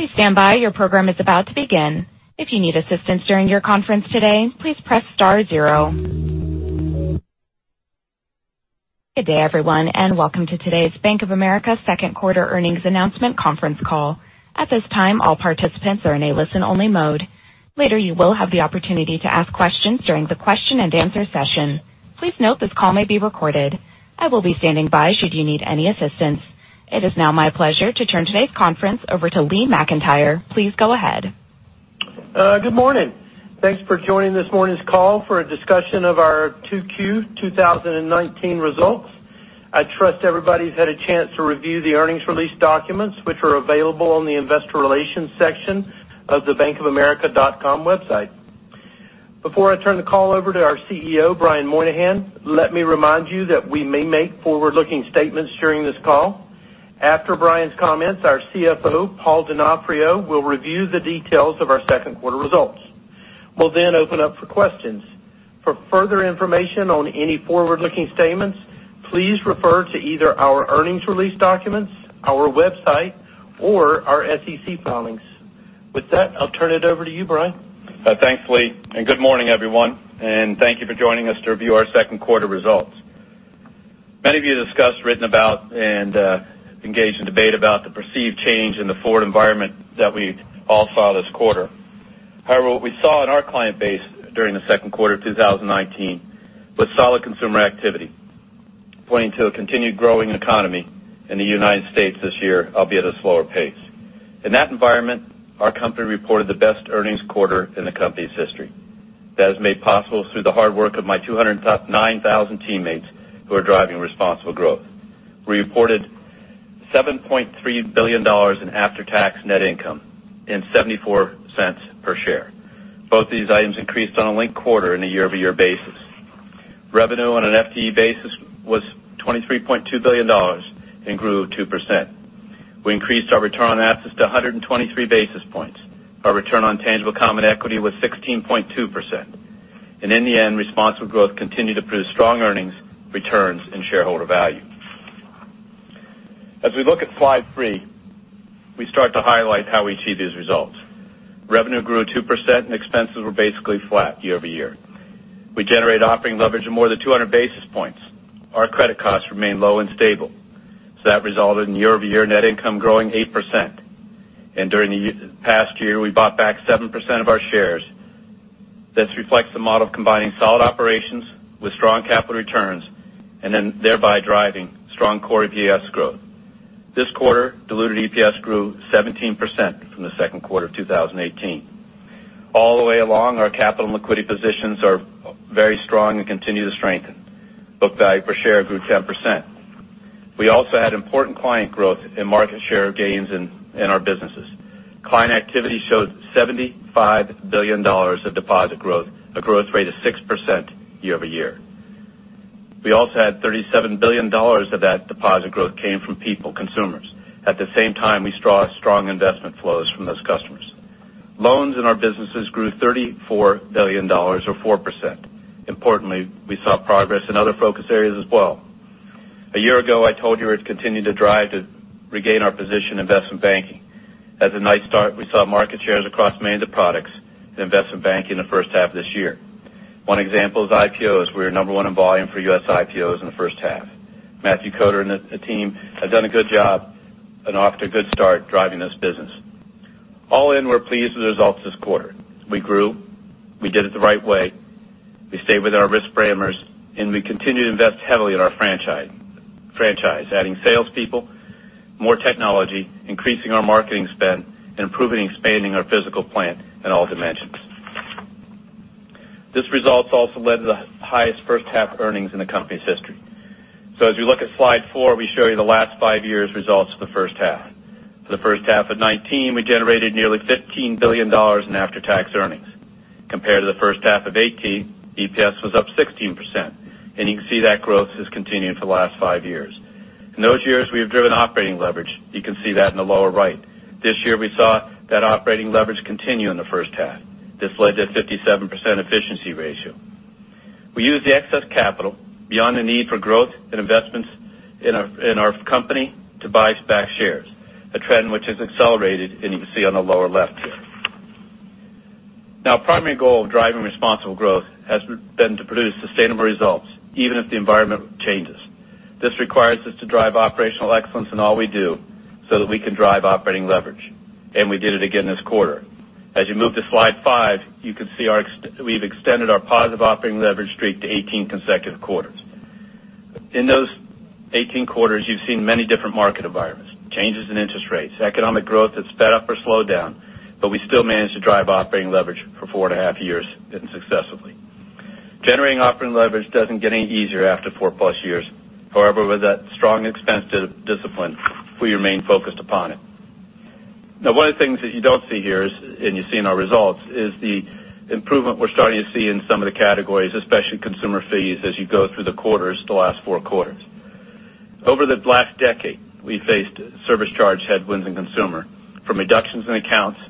Please stand by. Your program is about to begin. If you need assistance during your conference today, please press star zero. Good day, everyone, and welcome to today's Bank of America second quarter earnings announcement conference call. At this time, all participants are in a listen-only mode. Later, you will have the opportunity to ask questions during the question and answer session. Please note this call may be recorded. I will be standing by should you need any assistance. It is now my pleasure to turn today's conference over to Lee McEntire. Please go ahead. Good morning. Thanks for joining this morning's call for a discussion of our 2Q 2019 results. I trust everybody's had a chance to review the earnings release documents, which are available on the investor relations section of the bankofamerica.com website. Before I turn the call over to our CEO, Brian Moynihan, let me remind you that we may make forward-looking statements during this call. After Brian's comments, our CFO, Paul Donofrio, will review the details of our second quarter results. We'll open up for questions. For further information on any forward-looking statements, please refer to either our earnings release documents, our website, or our SEC filings. With that, I'll turn it over to you, Brian. Thanks, Lee, good morning, everyone, and thank you for joining us to review our Q2 results. Many of you discussed, written about, and engaged in debate about the perceived change in the forward environment that we all saw this quarter. However, what we saw in our client base during the Q2 of 2019 was solid consumer activity, pointing to a continued growing economy in the United States this year, albeit at a slower pace. In that environment, our company reported the best earnings quarter in the company's history. That is made possible through the hard work of my 209,000 teammates who are driving responsible growth. We reported $7.3 billion in after-tax net income and $0.74 per share. Both these items increased on a linked quarter on a year-over-year basis. Revenue on an FTE basis was $23.2 billion and grew two percent. We increased our return on assets to 123 basis points. Our return on tangible common equity was 16.2%. In the end, responsible growth continued to produce strong earnings, returns, and shareholder value. As we look at slide three, we start to highlight how we achieve these results. Revenue grew two percent, and expenses were basically flat year-over-year. We generated operating leverage of more than 200 basis points. Our credit costs remained low and stable. That resulted in year-over-year net income growing eight percent. During the past year, we bought back seven percent of our shares. This reflects the model combining solid operations with strong capital returns and thereby driving strong core EPS growth. This quarter, diluted EPS grew 17% from the Q2 of 2018. All the way along, our capital and liquidity positions are very strong and continue to strengthen. Book value per share grew 10%. We also had important client growth and market share gains in our businesses. Client activity showed $75 billion of deposit growth, a growth rate of six percent year-over-year. We also had $37 billion of that deposit growth came from people, consumers. At the same time, we saw strong investment flows from those customers. Loans in our businesses grew $34 billion or four percent. Importantly, we saw progress in other focus areas as well. A year ago, I told you we'd continue to drive to regain our position in investment banking. Had a nice start. We saw market shares across many of the products in investment banking in the first half of this year. One example is IPOs. We were number one in volume for U.S. IPOs in the first half. Matthew Koder and the team have done a good job and are off to a good start driving this business. All in, we're pleased with the results this quarter. We grew, we did it the right way. We stayed with our risk parameters. We continued to invest heavily in our franchise, adding salespeople, more technology, increasing our marketing spend, improving and expanding our physical plant in all dimensions. This result also led to the highest first half earnings in the company's history. As we look at slide four, we show you the last five years' results for the first half. For the first half of 2019, we generated nearly $15 billion in after-tax earnings. Compared to the first half of 2018, EPS was up 16%, and you can see that growth has continued for the last five years. In those years, we have driven operating leverage. You can see that in the lower right. This year, we saw that operating leverage continue in the first half. This led to a 57% efficiency ratio. We used the excess capital beyond the need for growth and investments in our company to buy back shares, a trend which has accelerated, and you can see on the lower left here. Our primary goal of driving responsible growth has been to produce sustainable results, even if the environment changes. This requires us to drive operational excellence in all we do so that we can drive operating leverage. We did it again this quarter. As you move to slide five, you can see we've extended our positive operating leverage streak to 18 consecutive quarters. In those Q18, you've seen many different market environments, changes in interest rates, economic growth that sped up or slowed down, but we still managed to drive operating leverage for four and a half years and successively. Generating operating leverage doesn't get any easier after four-plus years. However, with that strong expense discipline, we remain focused upon it. One of the things that you don't see here is, you see in our results, is the improvement we're starting to see in some of the categories, especially consumer fees, as you go through the quarters, the last four quarters. Over the last decade, we faced service charge headwinds in consumer from reductions in accounts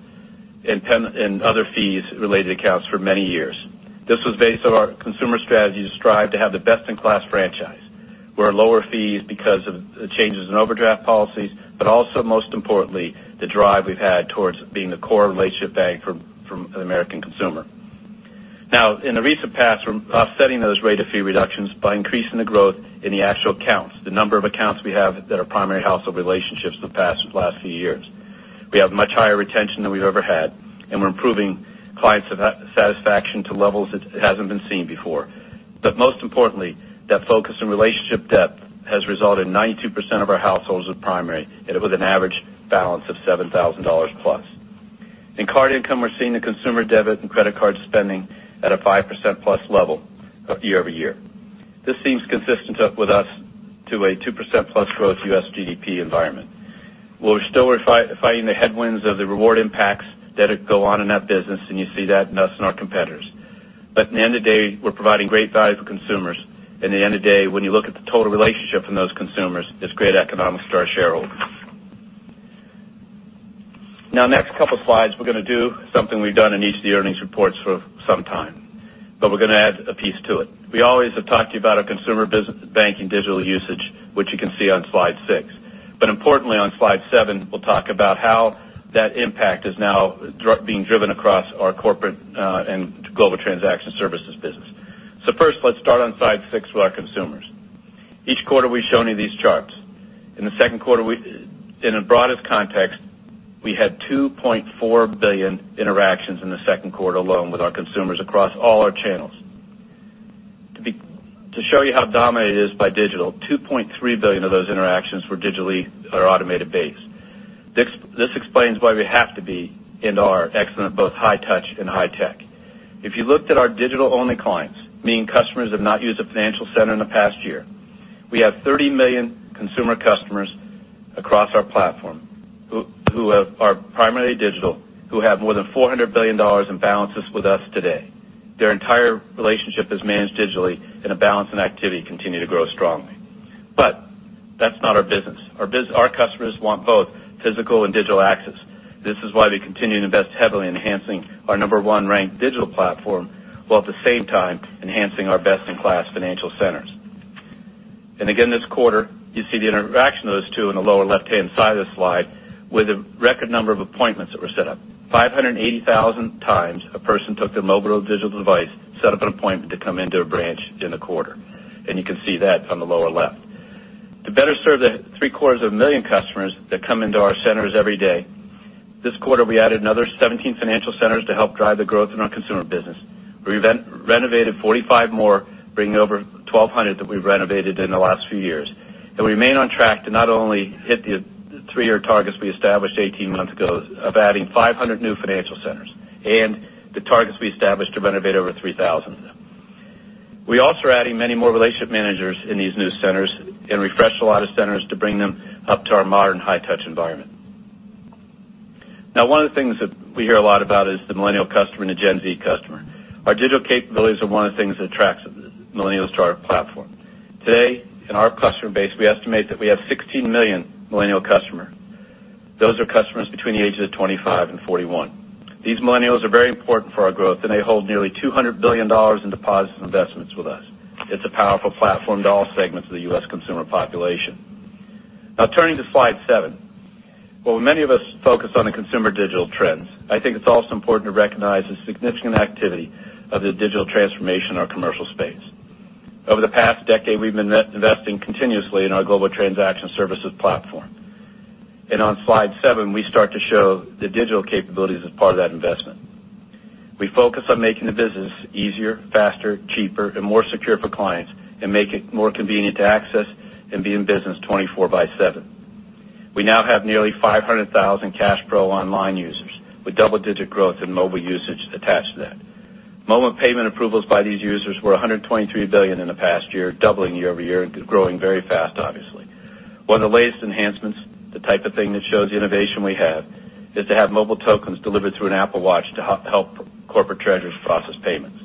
and other fees-related accounts for many years. This was based on our consumer strategy to strive to have the best-in-class franchise, where lower fees because of changes in overdraft policies, but also most importantly, the drive we've had towards being the core relationship bank for the American consumer. In the recent past, we're offsetting those rate of fee reductions by increasing the growth in the actual accounts, the number of accounts we have that are primary household relationships the past few years. We have much higher retention than we've ever had, and we're improving client satisfaction to levels that hasn't been seen before. Most importantly, that focus on relationship depth has resulted in 92% of our households with primary, and with an average balance of $7,000 plus. In card income, we're seeing the consumer debit and credit card spending at a five percent plus level year-over-year. This seems consistent with us to a two percent plus growth U.S. GDP environment. We're still fighting the headwinds of the reward impacts that go on in that business, and you see that in us and our competitors. At the end of the day, we're providing great value for consumers. At the end of the day, when you look at the total relationship from those consumers, it's great economics for our shareholders. Next couple slides, we're going to do something we've done in each of the earnings reports for some time. We're going to add a piece to it. We always have talked to you about our consumer business banking digital usage, which you can see on slide six. Importantly, on slide seven, we'll talk about how that impact is now being driven across our corporate, and global transaction services business. First, let's start on slide six with our consumers. Each quarter, we've shown you these charts. In the Q2, in the broadest context, we had 2.4 billion interactions in the Q2 alone with our consumers across all our channels. To show you how dominated it is by digital, 2.3 billion of those interactions were digitally or automated based. This explains why we have to be in our excellent both high touch and high tech. If you looked at our digital-only clients, meaning customers that have not used a financial center in the past year, we have 30 million consumer customers across our platform who are primarily digital, who have more than $400 billion in balances with us today. Their entire relationship is managed digitally, and the balance and activity continue to grow strongly. That's not our business. Our customers want both physical and digital access. This is why we continue to invest heavily in enhancing our number one ranked digital platform, while at the same time enhancing our best-in-class financial centers. Again, this quarter, you see the interaction of those two in the lower left-hand side of the slide with a record number of appointments that were set up. 580,000 a person took their mobile or digital device, set up an appointment to come into a branch in a quarter. You can see that on the lower left. To better serve the three-quarters of a million customers that come into our centers every day, this quarter, we added another 17 financial centers to help drive the growth in our consumer business. We renovated 45 more, bringing over 1,200 that we've renovated in the last few years, and remain on track to not only hit the three-year targets we established 18 months ago of adding 500 new financial centers and the targets we established to renovate over 3,000. We're also adding many more relationship managers in these new centers and refresh a lot of centers to bring them up to our modern high-touch environment. One of the things that we hear a lot about is the millennial customer and the Gen Z customer. Our digital capabilities are one of the things that attracts millennials to our platform. Today, in our customer base, we estimate that we have 16 million millennial customer. Those are customers between the ages of 25 and 41. These millennials are very important for our growth, and they hold nearly $200 billion in deposits and investments with us. It's a powerful platform to all segments of the U.S. consumer population. Turning to slide seven. While many of us focus on the consumer digital trends, I think it's also important to recognize the significant activity of the digital transformation in our commercial space. Over the past decade, we've been investing continuously in our global transaction services platform. On slide seven, we start to show the digital capabilities as part of that investment. We focus on making the business easier, faster, cheaper, and more secure for clients and make it more convenient to access and be in business 24 by seven. We now have nearly 500,000 CashPro online users with double-digit growth in mobile usage attached to that. Mobile payment approvals by these users were $123 billion in the past year, doubling year-over-year, and growing very fast, obviously. One of the latest enhancements, the type of thing that shows the innovation we have, is to have mobile tokens delivered through an Apple Watch to help corporate treasurers process payments.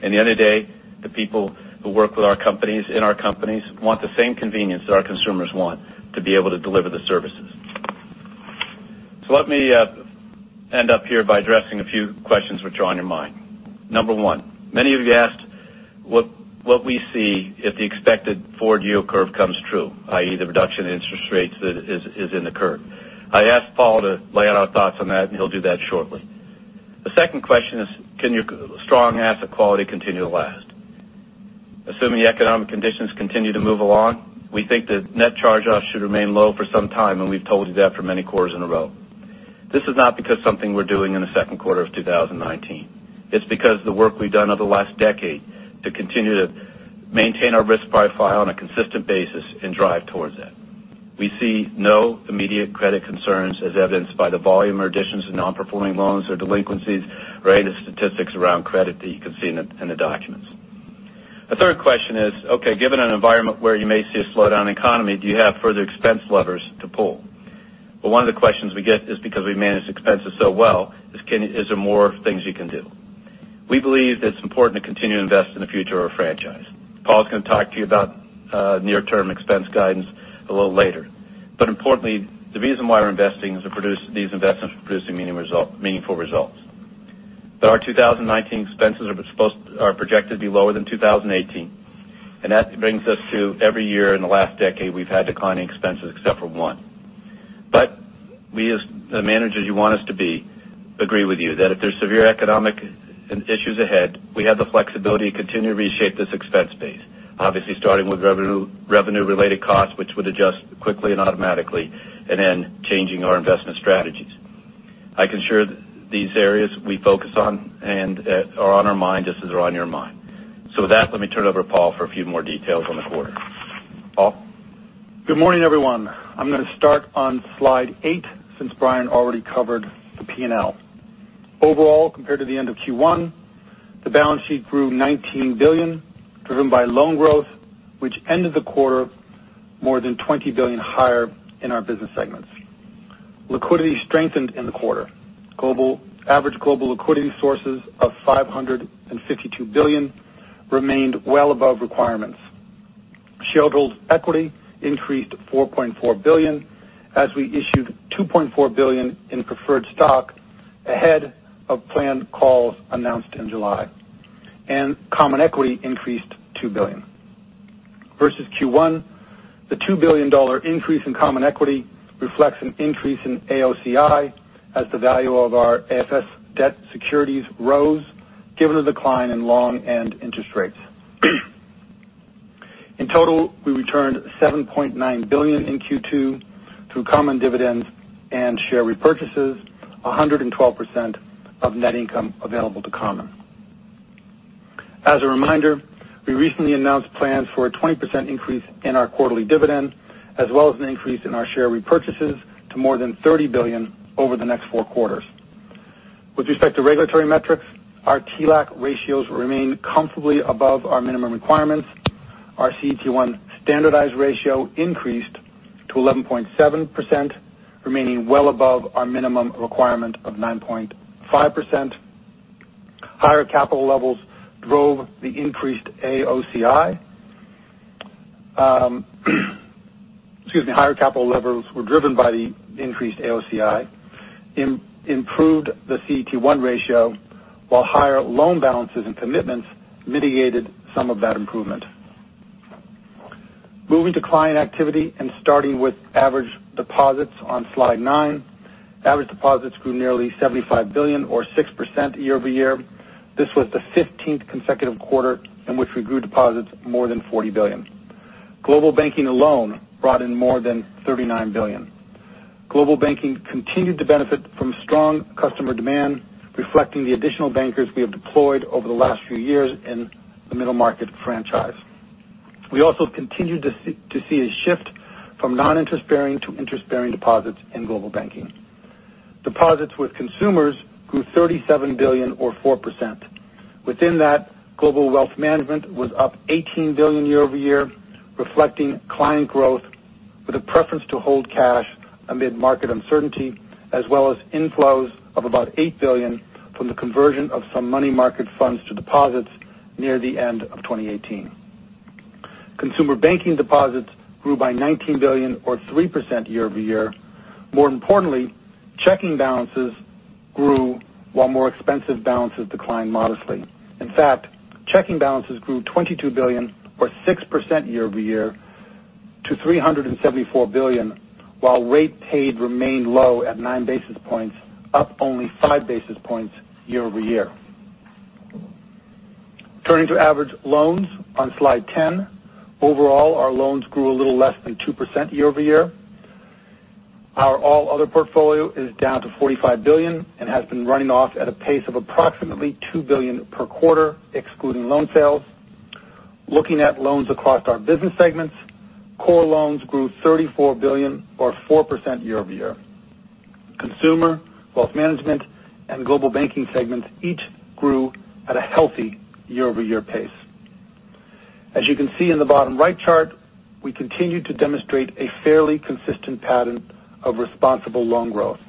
At the end of the day, the people who work with our companies, in our companies want the same convenience that our consumers want to be able to deliver the services. Let me end up here by addressing a few questions which are on your mind. Number one, many of you asked what we see if the expected forward yield curve comes true, i.e. the reduction in interest rates is in the curve. I asked Paul to lay out our thoughts on that, and he'll do that shortly. The second question is, can your strong asset quality continue to last? Assuming economic conditions continue to move along, we think the net charge-off should remain low for some time, and we've told you that for many quarters in a row. This is not because something we're doing in the Q2 of 2019. It's because the work we've done over the last decade to continue to maintain our risk profile on a consistent basis and drive towards that. We see no immediate credit concerns as evidenced by the volume or additions to non-performing loans or delinquencies or any of the statistics around credit that you can see in the documents. The third question is, okay, given an environment where you may see a slowdown economy, do you have further expense levers to pull? Well, one of the questions we get is because we manage expenses so well is there more things you can do? We believe that it's important to continue to invest in the future of our franchise. Paul's going to talk to you about near-term expense guidance a little later. Importantly, the reason why we're investing is these investments are producing meaningful results. Our 2019 expenses are projected to be lower than 2018. That brings us to every year in the last decade, we've had declining expenses except for one. We, as the managers you want us to be, agree with you that if there's severe economic issues ahead, we have the flexibility to continue to reshape this expense base. Obviously, starting with revenue-related costs, which would adjust quickly and automatically. Changing our investment strategies. I can share these areas we focus on and are on our mind just as they're on your mind. With that, let me turn it over to Paul for a few more details on the quarter. Paul? Good morning, everyone. I'm going to start on slide eight since Brian already covered the P&L. Overall, compared to the end of Q1, the balance sheet grew $19 billion, driven by loan growth, which ended the quarter more than $20 billion higher in our business segments. Liquidity strengthened in the quarter. Average global liquidity sources of $552 billion remained well above requirements. Shareholder equity increased to $4.4 billion as we issued $2.4 billion in preferred stock ahead of planned calls announced in July, and common equity increased $2 billion. Versus Q1, the $2 billion increase in common equity reflects an increase in AOCI as the value of our AFS debt securities rose given the decline in loan and interest rates. In total, we returned $7.9 billion in Q2 through common dividends and share repurchases, 112% of net income available to common. As a reminder, we recently announced plans for a 20% increase in our quarterly dividend, as well as an increase in our share repurchases to more than $30 billion over the next Q4. With respect to regulatory metrics, our TLAC ratios remain comfortably above our minimum requirements. Our CET1 standardized ratio increased to 11.7%, remaining well above our minimum requirement of 9.5%. Higher capital levels were driven by the increased AOCI, improved the CET1 ratio, while higher loan balances and commitments mitigated some of that improvement. Moving to client activity and starting with average deposits on slide nine. Average deposits grew nearly $75 billion or six percent year-over-year. This was the 15th consecutive quarter in which we grew deposits more than $40 billion. Global Banking alone brought in more than $39 billion. Global Banking continued to benefit from strong customer demand, reflecting the additional bankers we have deployed over the last few years in the middle market franchise. We also continued to see a shift from non-interest bearing to interest-bearing deposits in Global Banking. Deposits with consumers grew $37 billion or four percent. Within that, Global Wealth Management was up $18 billion year-over-year, reflecting client growth with a preference to hold cash amid market uncertainty, as well as inflows of about $8 billion from the conversion of some money market funds to deposits near the end of 2018. Consumer Banking deposits grew by $19 billion or three percent year-over-year. More importantly, checking balances grew while more expensive balances declined modestly. In fact, checking balances grew $22 billion or six percent year-over-year to $374 billion, while rate paid remained low at nine basis points, up only five basis points year-over-year. Turning to average loans on slide 10. Overall, our loans grew a little less than two percent year-over-year. Our all other portfolio is down to $45 billion and has been running off at a pace of approximately $2 billion per quarter, excluding loan sales. Looking at loans across our business segments, core loans grew $34 billion or four percent year-over-year. Consumer, wealth management, and Global Banking segments each grew at a healthy year-over-year pace. As you can see in the bottom right chart, we continue to demonstrate a fairly consistent pattern of responsible loan growth.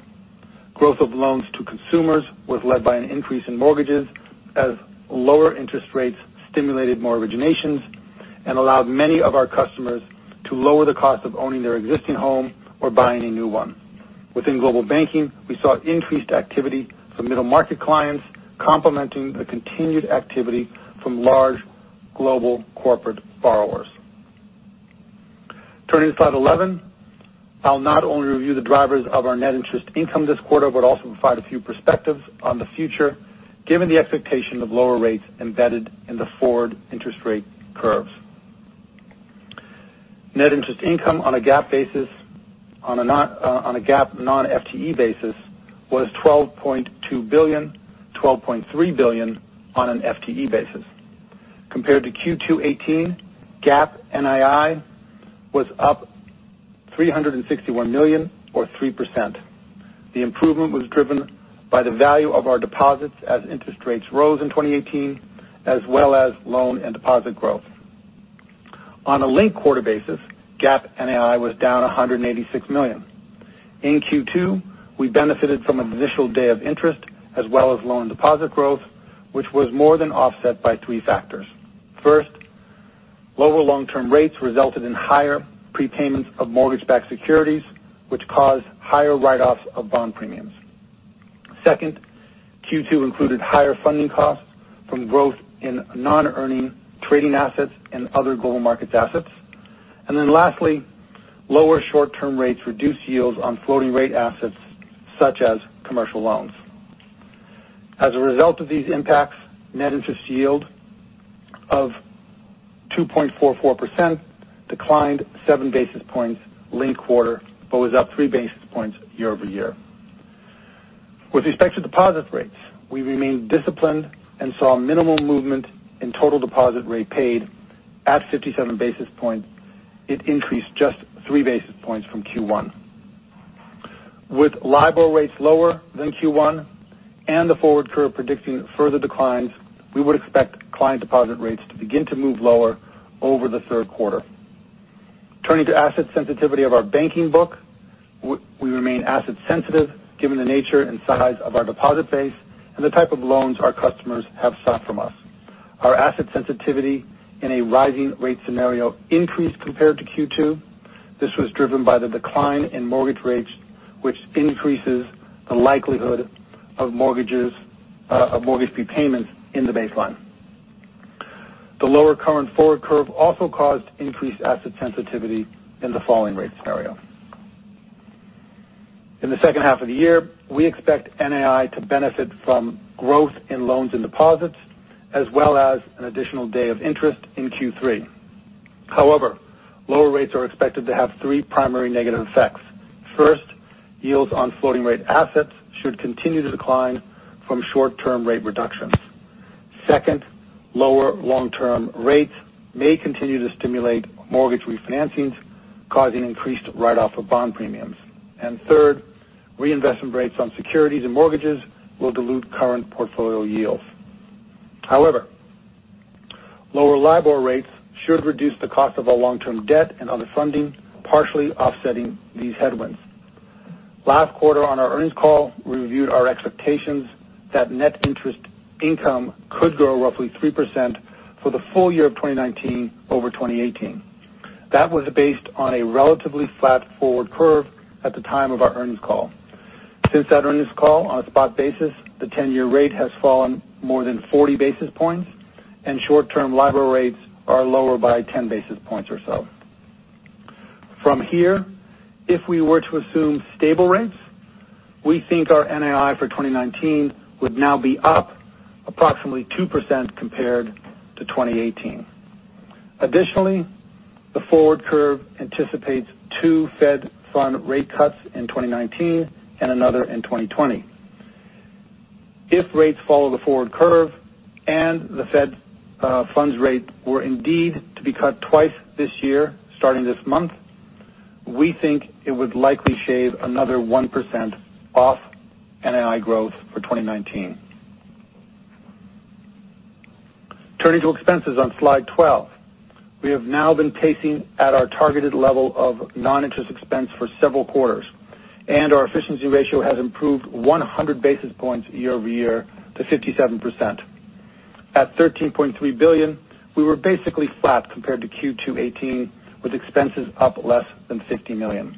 Growth of loans to consumers was led by an increase in mortgages as lower interest rates stimulated more originations and allowed many of our customers to lower the cost of owning their existing home or buying a new one. Within Global Banking, we saw increased activity from middle-market clients complementing the continued activity from large global corporate borrowers. Turning to slide 11. I'll not only review the drivers of our net interest income this quarter, but also provide a few perspectives on the future given the expectation of lower rates embedded in the forward interest rate curves. Net interest income on a GAAP non-FTE basis was $12.2 billion, $12.3 billion on an FTE basis. Compared to Q2 2018, GAAP NII was up $361 million or three percent. The improvement was driven by the value of our deposits as interest rates rose in 2018, as well as loan and deposit growth. On a linked-quarter basis, GAAP NII was down $186 million. In Q2, we benefited from an additional day of interest as well as loan deposit growth, which was more than offset by three factors. First, lower long-term rates resulted in higher prepayments of mortgage-backed securities, which caused higher write-offs of bond premiums. Second, Q2 included higher funding costs from growth in non-earning trading assets and other Global Markets assets. Lastly, lower short-term rates reduced yields on floating rate assets such as commercial loans. As a result of these impacts, net interest yield of 2.44% declined seven basis points linked-quarter, but was up three basis points year-over-year. With respect to deposit rates, we remained disciplined and saw minimal movement in total deposit rate paid at 57 basis points. It increased just three basis points from Q1. With LIBOR rates lower than Q1 and the forward curve predicting further declines, we would expect client deposit rates to begin to move lower over the third quarter. Turning to asset sensitivity of our banking book, we remain asset sensitive given the nature and size of our deposit base and the type of loans our customers have sought from us. Our asset sensitivity in a rising rate scenario increased compared to Q2. This was driven by the decline in mortgage rates, which increases the likelihood of mortgage prepayments in the baseline. The lower current forward curve also caused increased asset sensitivity in the falling rate scenario. In the second half of the year, we expect NII to benefit from growth in loans and deposits, as well as an additional day of interest in Q3. However, lower rates are expected to have three primary negative effects. First, yields on floating rate assets should continue to decline from short-term rate reductions. Second, lower long-term rates may continue to stimulate mortgage refinancings, causing increased write-off of bond premiums. Third, reinvestment rates on securities and mortgages will dilute current portfolio yields. However, lower LIBOR rates should reduce the cost of our long-term debt and other funding, partially offsetting these headwinds. Last quarter on our earnings call, we reviewed our expectations that net interest income could grow roughly three percent for the full year of 2019 over 2018. That was based on a relatively flat forward curve at the time of our earnings call. Since that earnings call, on a spot basis, the 10-year rate has fallen more than 40 basis points, and short-term LIBOR rates are lower by 10 basis points or so. From here, if we were to assume stable rates, we think our NII for 2019 would now be up approximately two percent compared to 2018. Additionally, the forward curve anticipates two Fed fund rate cuts in 2019 and another in 2020. If rates follow the forward curve and the Fed funds rate were indeed to be cut twice this year starting this month, we think it would likely shave another one percent off NII growth for 2019. Turning to expenses on slide 12. We have now been pacing at our targeted level of non-interest expense for several quarters, and our efficiency ratio has improved 100 basis points year-over-year to 57%. At $13.3 billion, we were basically flat compared to Q2 '18, with expenses up less than $50 million.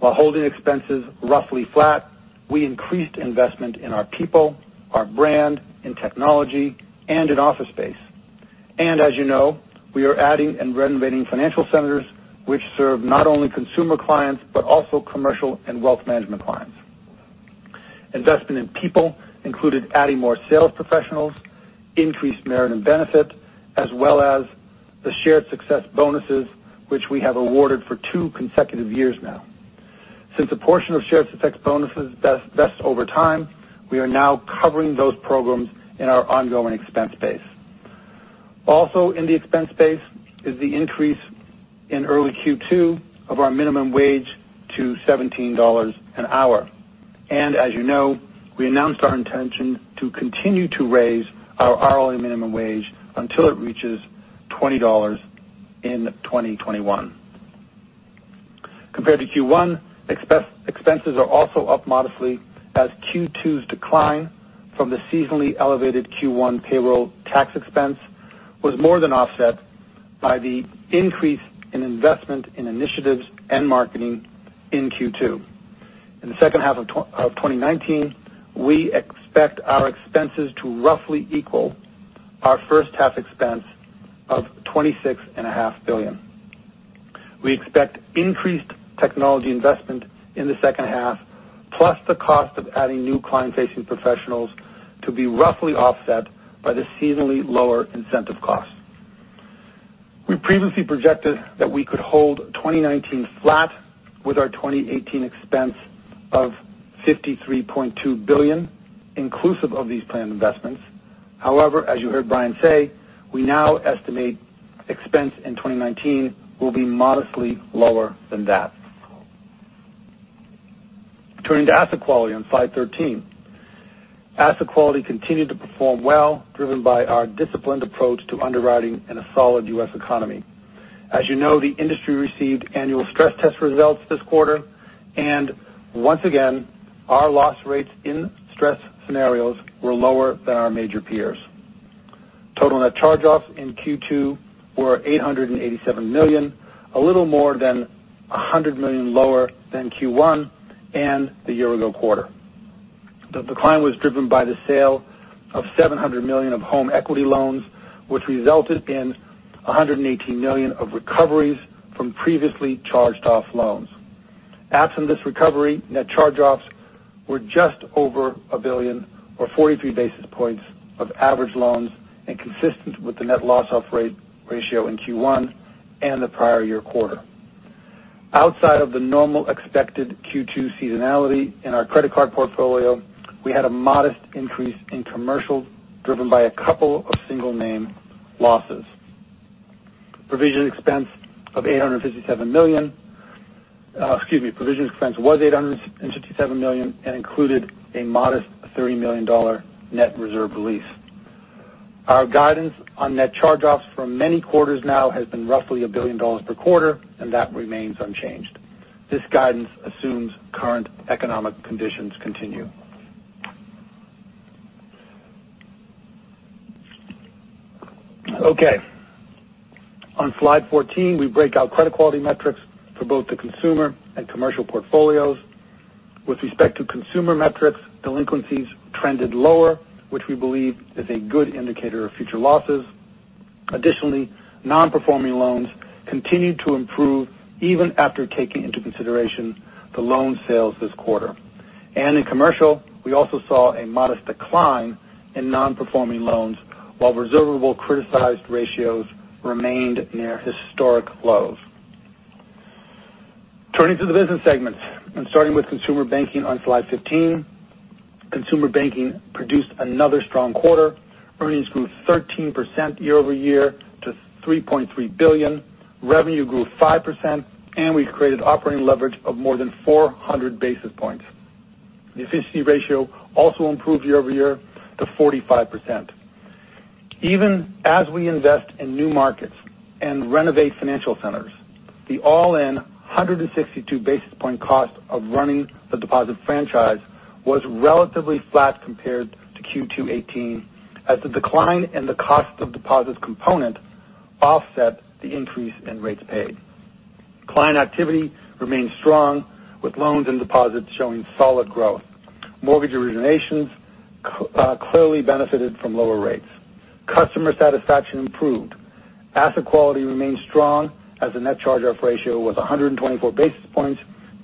While holding expenses roughly flat, we increased investment in our people, our brand, in technology, and in office space. As you know, we are adding and renovating financial centers which serve not only consumer clients, but also commercial and wealth management clients. Investment in people included adding more sales professionals, increased merit and benefit, as well as the shared success bonuses which we have awarded for two consecutive years now. Since a portion of shared success bonuses vest over time, we are now covering those programs in our ongoing expense base. Also in the expense base is the increase in early Q2 of our minimum wage to $17 an hour. As you know, we announced our intention to continue to raise our hourly minimum wage until it reaches $20 in 2021. Compared to Q1, expenses are also up modestly as Q2's decline from the seasonally elevated Q1 payroll tax expense was more than offset by the increase in investment in initiatives and marketing in Q2. In the second half of 2019, we expect our expenses to roughly equal our first half expense of $26.5 billion. We expect increased technology investment in the second half, plus the cost of adding new client-facing professionals to be roughly offset by the seasonally lower incentive costs. We previously projected that we could hold 2019 flat with our 2018 expense of $53.2 billion inclusive of these planned investments. However, as you heard Brian say, we now estimate expense in 2019 will be modestly lower than that. Turning to asset quality on slide 13. Asset quality continued to perform well, driven by our disciplined approach to underwriting in a solid U.S. economy. As you know, the industry received annual stress test results this quarter, and once again, our loss rates in stress scenarios were lower than our major peers. Total net charge-offs in Q2 were $887 million, a little more than $100 million lower than Q1 and the year-ago quarter. The decline was driven by the sale of $700 million of home equity loans, which resulted in $118 million of recoveries from previously charged-off loans. Absent this recovery, net charge-offs were just over $1 billion or three basis points of average loans and consistent with the net charge-off rate ratio in Q1 and the prior year quarter. Outside of the normal expected Q2 seasonality in our credit card portfolio, we had a modest increase in commercials driven by a couple of single-name losses. Provision expense was $857 million and included a modest $30 million net reserve release. Our guidance on net charge-offs for many quarters now has been roughly $1 billion per quarter, and that remains unchanged. This guidance assumes current economic conditions continue. On slide 14, we break out credit quality metrics for both the consumer and commercial portfolios. With respect to consumer metrics, delinquencies trended lower, which we believe is a good indicator of future losses. Additionally, non-performing loans continued to improve even after taking into consideration the loan sales this quarter. In commercial, we also saw a modest decline in non-performing loans while reservable criticized ratios remained near historic lows. Turning to the business segments and starting with Consumer Banking on slide 15. Consumer Banking produced another strong quarter. Earnings grew 13% year-over-year to $3.3 billion. Revenue grew five percent. We created operating leverage of more than 400 basis points. The efficiency ratio also improved year-over-year to 45%. Even as we invest in new markets and renovate financial centers, the all-in 162 basis point cost of running the deposit franchise was relatively flat compared to Q2 2018 as the decline in the cost of deposits component offset the increase in rates paid. Client activity remains strong, with loans and deposits showing solid growth. Mortgage originations clearly benefited from lower rates. Customer satisfaction improved. Asset quality remains strong as the net charge-off ratio was 124 basis points,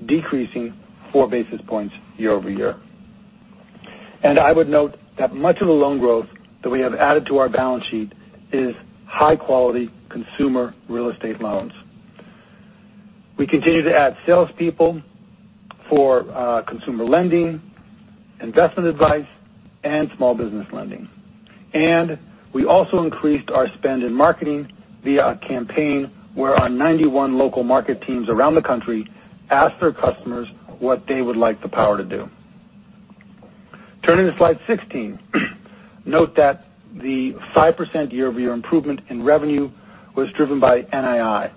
decreasing four basis points year-over-year. I would note that much of the loan growth that we have added to our balance sheet is high-quality consumer real estate loans. We continue to add salespeople for consumer lending, investment advice, and small business lending. We also increased our spend in marketing via a campaign where our 91 local market teams around the country ask their customers what they would like the power to do. Turning to slide 16. Note that the five percent year-over-year improvement in revenue was driven by NII.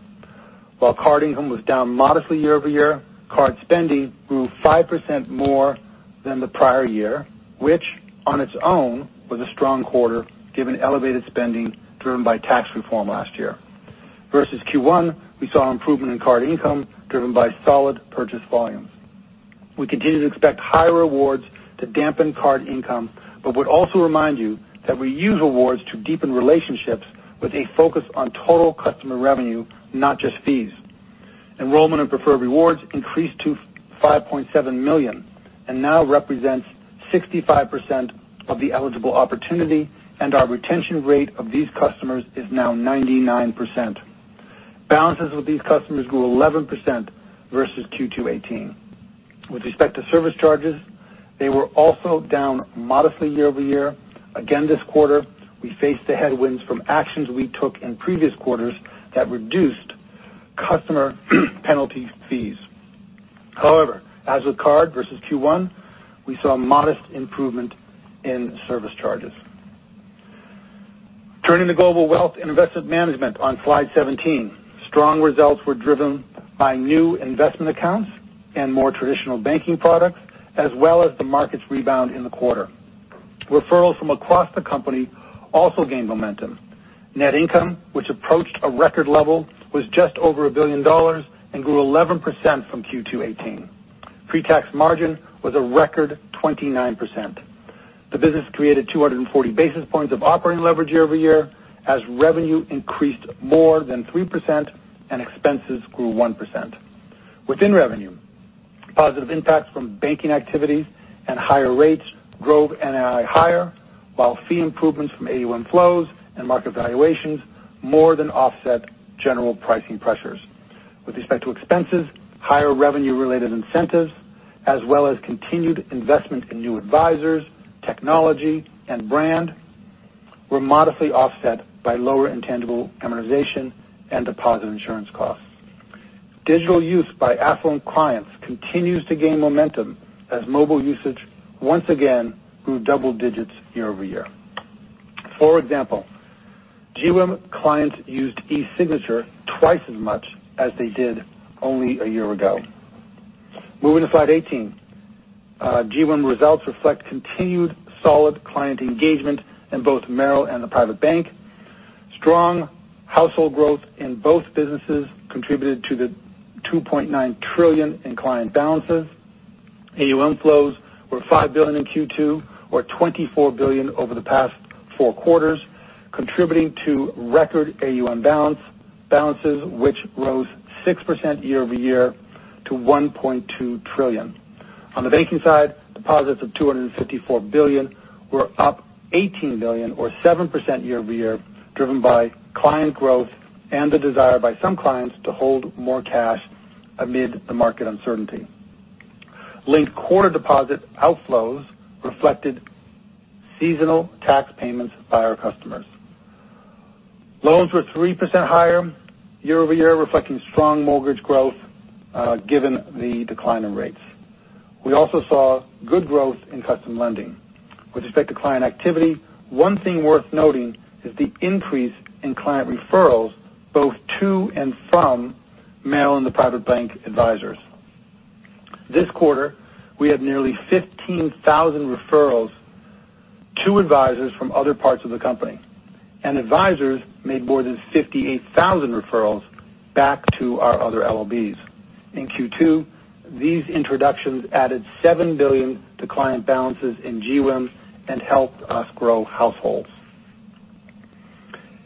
While card income was down modestly year-over-year, card spending grew five percent more than the prior year, which on its own was a strong quarter given elevated spending driven by tax reform last year. Versus Q1, we saw an improvement in card income driven by solid purchase volumes. We continue to expect higher rewards to dampen card income but would also remind you that we use rewards to deepen relationships with a focus on total customer revenue, not just fees. Enrollment in preferred rewards increased to 5.7 million and now represents 65% of the eligible opportunity, and our retention rate of these customers is now 99%. Balances with these customers grew 11% versus Q2 2018. With respect to service charges, they were also down modestly year-over-year. This quarter, we faced the headwinds from actions we took in previous quarters that reduced customer penalty fees. As with card versus Q1, we saw a modest improvement in service charges. Turning to Global Wealth and Investment Management on slide 17. Strong results were driven by new investment accounts and more traditional banking products, as well as the market's rebound in the quarter. Referrals from across the company also gained momentum. Net income, which approached a record level, was just over $1 billion and grew 11% from Q2 2018. Pre-tax margin was a record 29%. The business created 240 basis points of operating leverage year-over-year as revenue increased more than three percent and expenses grew one percent. Within revenue, positive impacts from banking activities and higher rates drove NII higher, while fee improvements from AUM flows and market valuations more than offset general pricing pressures. With respect to expenses, higher revenue-related incentives as well as continued investments in new advisors, technology, and brand were modestly offset by lower intangible amortization and deposit insurance costs. Digital use by affluent clients continues to gain momentum as mobile usage once again grew double digits year-over-year. For example, GWIM clients used e-signature twice as much as they did only a year ago. Moving to slide 18. GWIM results reflect continued solid client engagement in both Merrill and the private bank. Strong household growth in both businesses contributed to the $2.9 trillion in client balances. AUM flows were $5 billion in Q2, or $24 billion over the past Q4, contributing to record AUM balances, which rose six percent year-over-year to $1.2 trillion. On the banking side, deposits of $254 billion were up $18 billion or seven percent year-over-year, driven by client growth and the desire by some clients to hold more cash amid the market uncertainty. Late quarter deposit outflows reflected seasonal tax payments by our customers. Loans were three percent higher year-over-year, reflecting strong mortgage growth, given the decline in rates. We also saw good growth in custom lending. With respect to client activity, one thing worth noting is the increase in client referrals both to and from Merrill and the private bank advisors. This quarter, we had nearly 15,000 referrals to advisors from other parts of the company. Advisors made more than 58,000 referrals back to our other LOBs. In Q2, these introductions added $7 billion to client balances in GWIM and helped us grow households.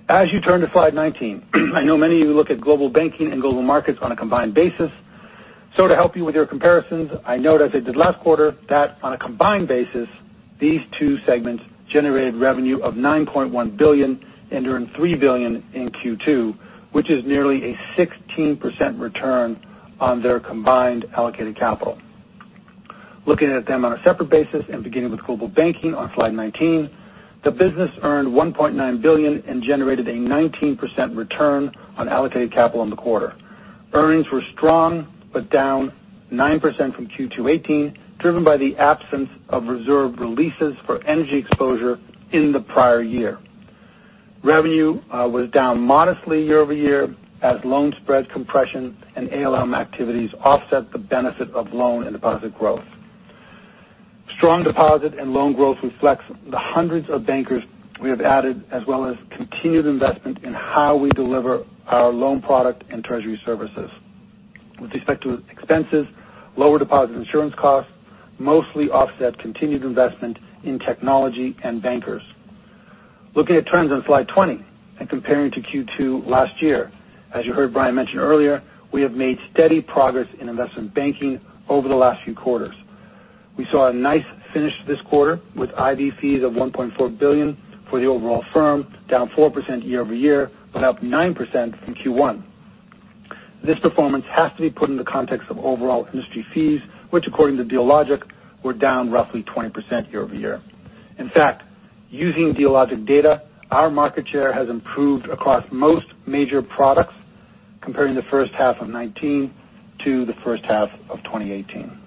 As you turn to slide 19, I know many of you look at Global Banking and Global Markets on a combined basis. To help you with your comparisons, I note, as I did last quarter, that on a combined basis, these two segments generated revenue of $9.1 billion and earned $3 billion in Q2, which is nearly a 16% return on their combined allocated capital. Looking at them on a separate basis, beginning with Global Banking on slide 19, the business earned $1.9 billion and generated a 19% return on allocated capital in the quarter. Earnings were strong, down nine percent from Q2 '18, driven by the absence of reserve releases for energy exposure in the prior year. Revenue was down modestly year-over-year as loan spread compression and ALM activities offset the benefit of loan and deposit growth. Strong deposit and loan growth reflects the hundreds of bankers we have added, as well as continued investment in how we deliver our loan product and treasury services. With respect to expenses, lower deposit insurance costs mostly offset continued investment in technology and bankers. Looking at trends on slide 20 and comparing to Q2 last year, as you heard Brian mention earlier, we have made steady progress in investment banking over the last few quarters. We saw a nice finish this quarter with IB fees of $1.4 billion for the overall firm, down four percent year-over-year, but up nine percent from Q1. This performance has to be put in the context of overall industry fees, which according to Dealogic, were down roughly 20% year-over-year. In fact, using Dealogic data, our market share has improved across most major products compared to the first half of 2019 to the first half of 2018.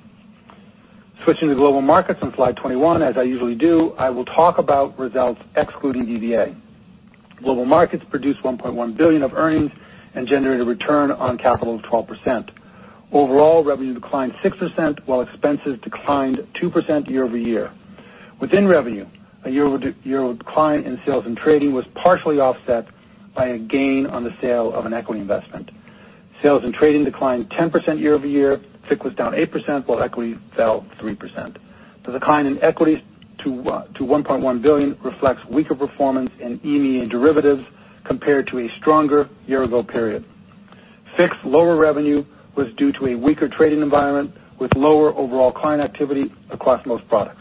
Switching to Global Markets on slide 21, as I usually do, I will talk about results excluding DVA. Global Markets produced $1.1 billion of earnings and generated a return on capital of 12%. Overall, revenue declined six percent, while expenses declined two percent year-over-year. Within revenue, a year-over-year decline in sales and trading was partially offset by a gain on the sale of an equity investment. Sales and trading declined 10% year-over-year. FICC was down eight percent, while equity fell three percent. Decline in equities to $1.1 billion reflects weaker performance in EMEA derivatives compared to a stronger year ago period. FICC's lower revenue was due to a weaker trading environment with lower overall client activity across most products.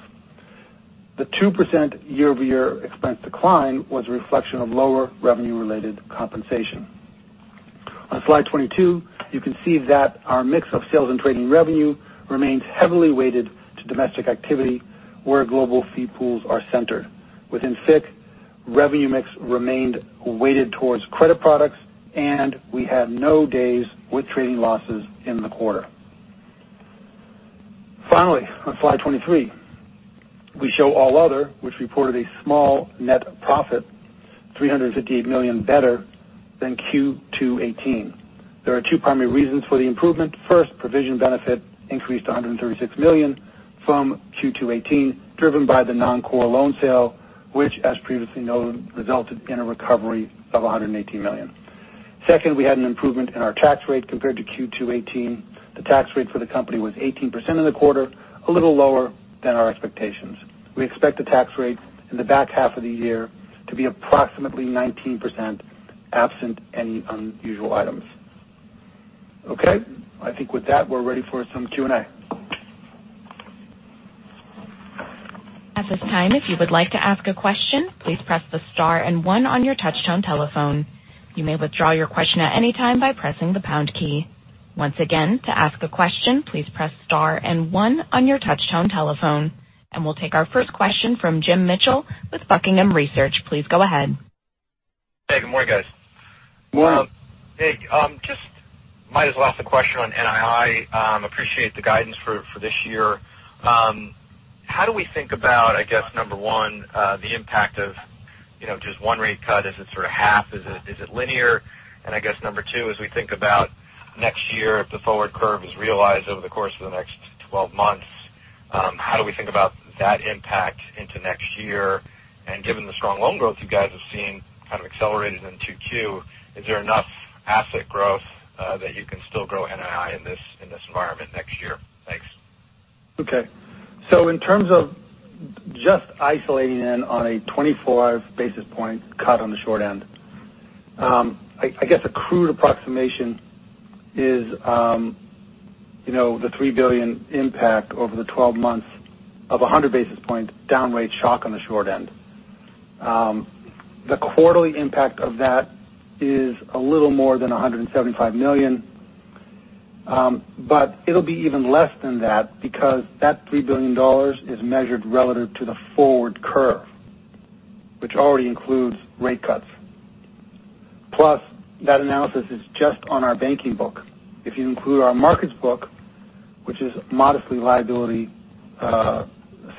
The two percent year-over-year expense decline was a reflection of lower revenue-related compensation. On slide 22, you can see that our mix of sales and trading revenue remains heavily weighted to domestic activity where global fee pools are centered. Within FICC, revenue mix remained weighted towards credit products, and we had no days with trading losses in the quarter. Finally, on slide 23, we show all other, which reported a small net profit, $358 million better than Q2 '18. There are two primary reasons for the improvement. First, provision benefit increased to $136 million from Q2 '18, driven by the non-core loan sale, which, as previously noted, resulted in a recovery of $118 million. Second, we had an improvement in our tax rate compared to Q2 '18. The tax rate for the company was 18% in the quarter, a little lower than our expectations. We expect the tax rate in the back half of the year to be approximately 19%, absent any unusual items. Okay, I think with that, we're ready for some Q&A. At this time, if you would like to ask a question, please press the star and one on your touchtone telephone. You may withdraw your question at any time by pressing the pound key. Once again, to ask a question, please press star and one on your touchtone telephone. We'll take our first question from Jim Mitchell with Buckingham Research. Please go ahead. Hey, good morning, guys. Good morning. Hey, just might as well ask the question on NII. Appreciate the guidance for this year. How do we think about, I guess number one, the impact of just one rate cut? Is it sort of half? Is it linear? I guess number two, as we think about next year, if the forward curve is realized over the course of the next 12 months, how do we think about that impact into next year? Given the strong loan growth you guys have seen kind of accelerated in 2Q, is there enough asset growth that you can still grow NII in this environment next year? Thanks. Okay. In terms of just isolating in on a 25 basis point cut on the short end. I guess a crude approximation is the $3 billion impact over the 12 months of 100 basis point down rate shock on the short end. The quarterly impact of that is a little more than $175 million. It'll be even less than that because that $3 billion is measured relative to the forward curve, which already includes rate cuts. That analysis is just on our banking book. If you include our markets book, which is modestly liability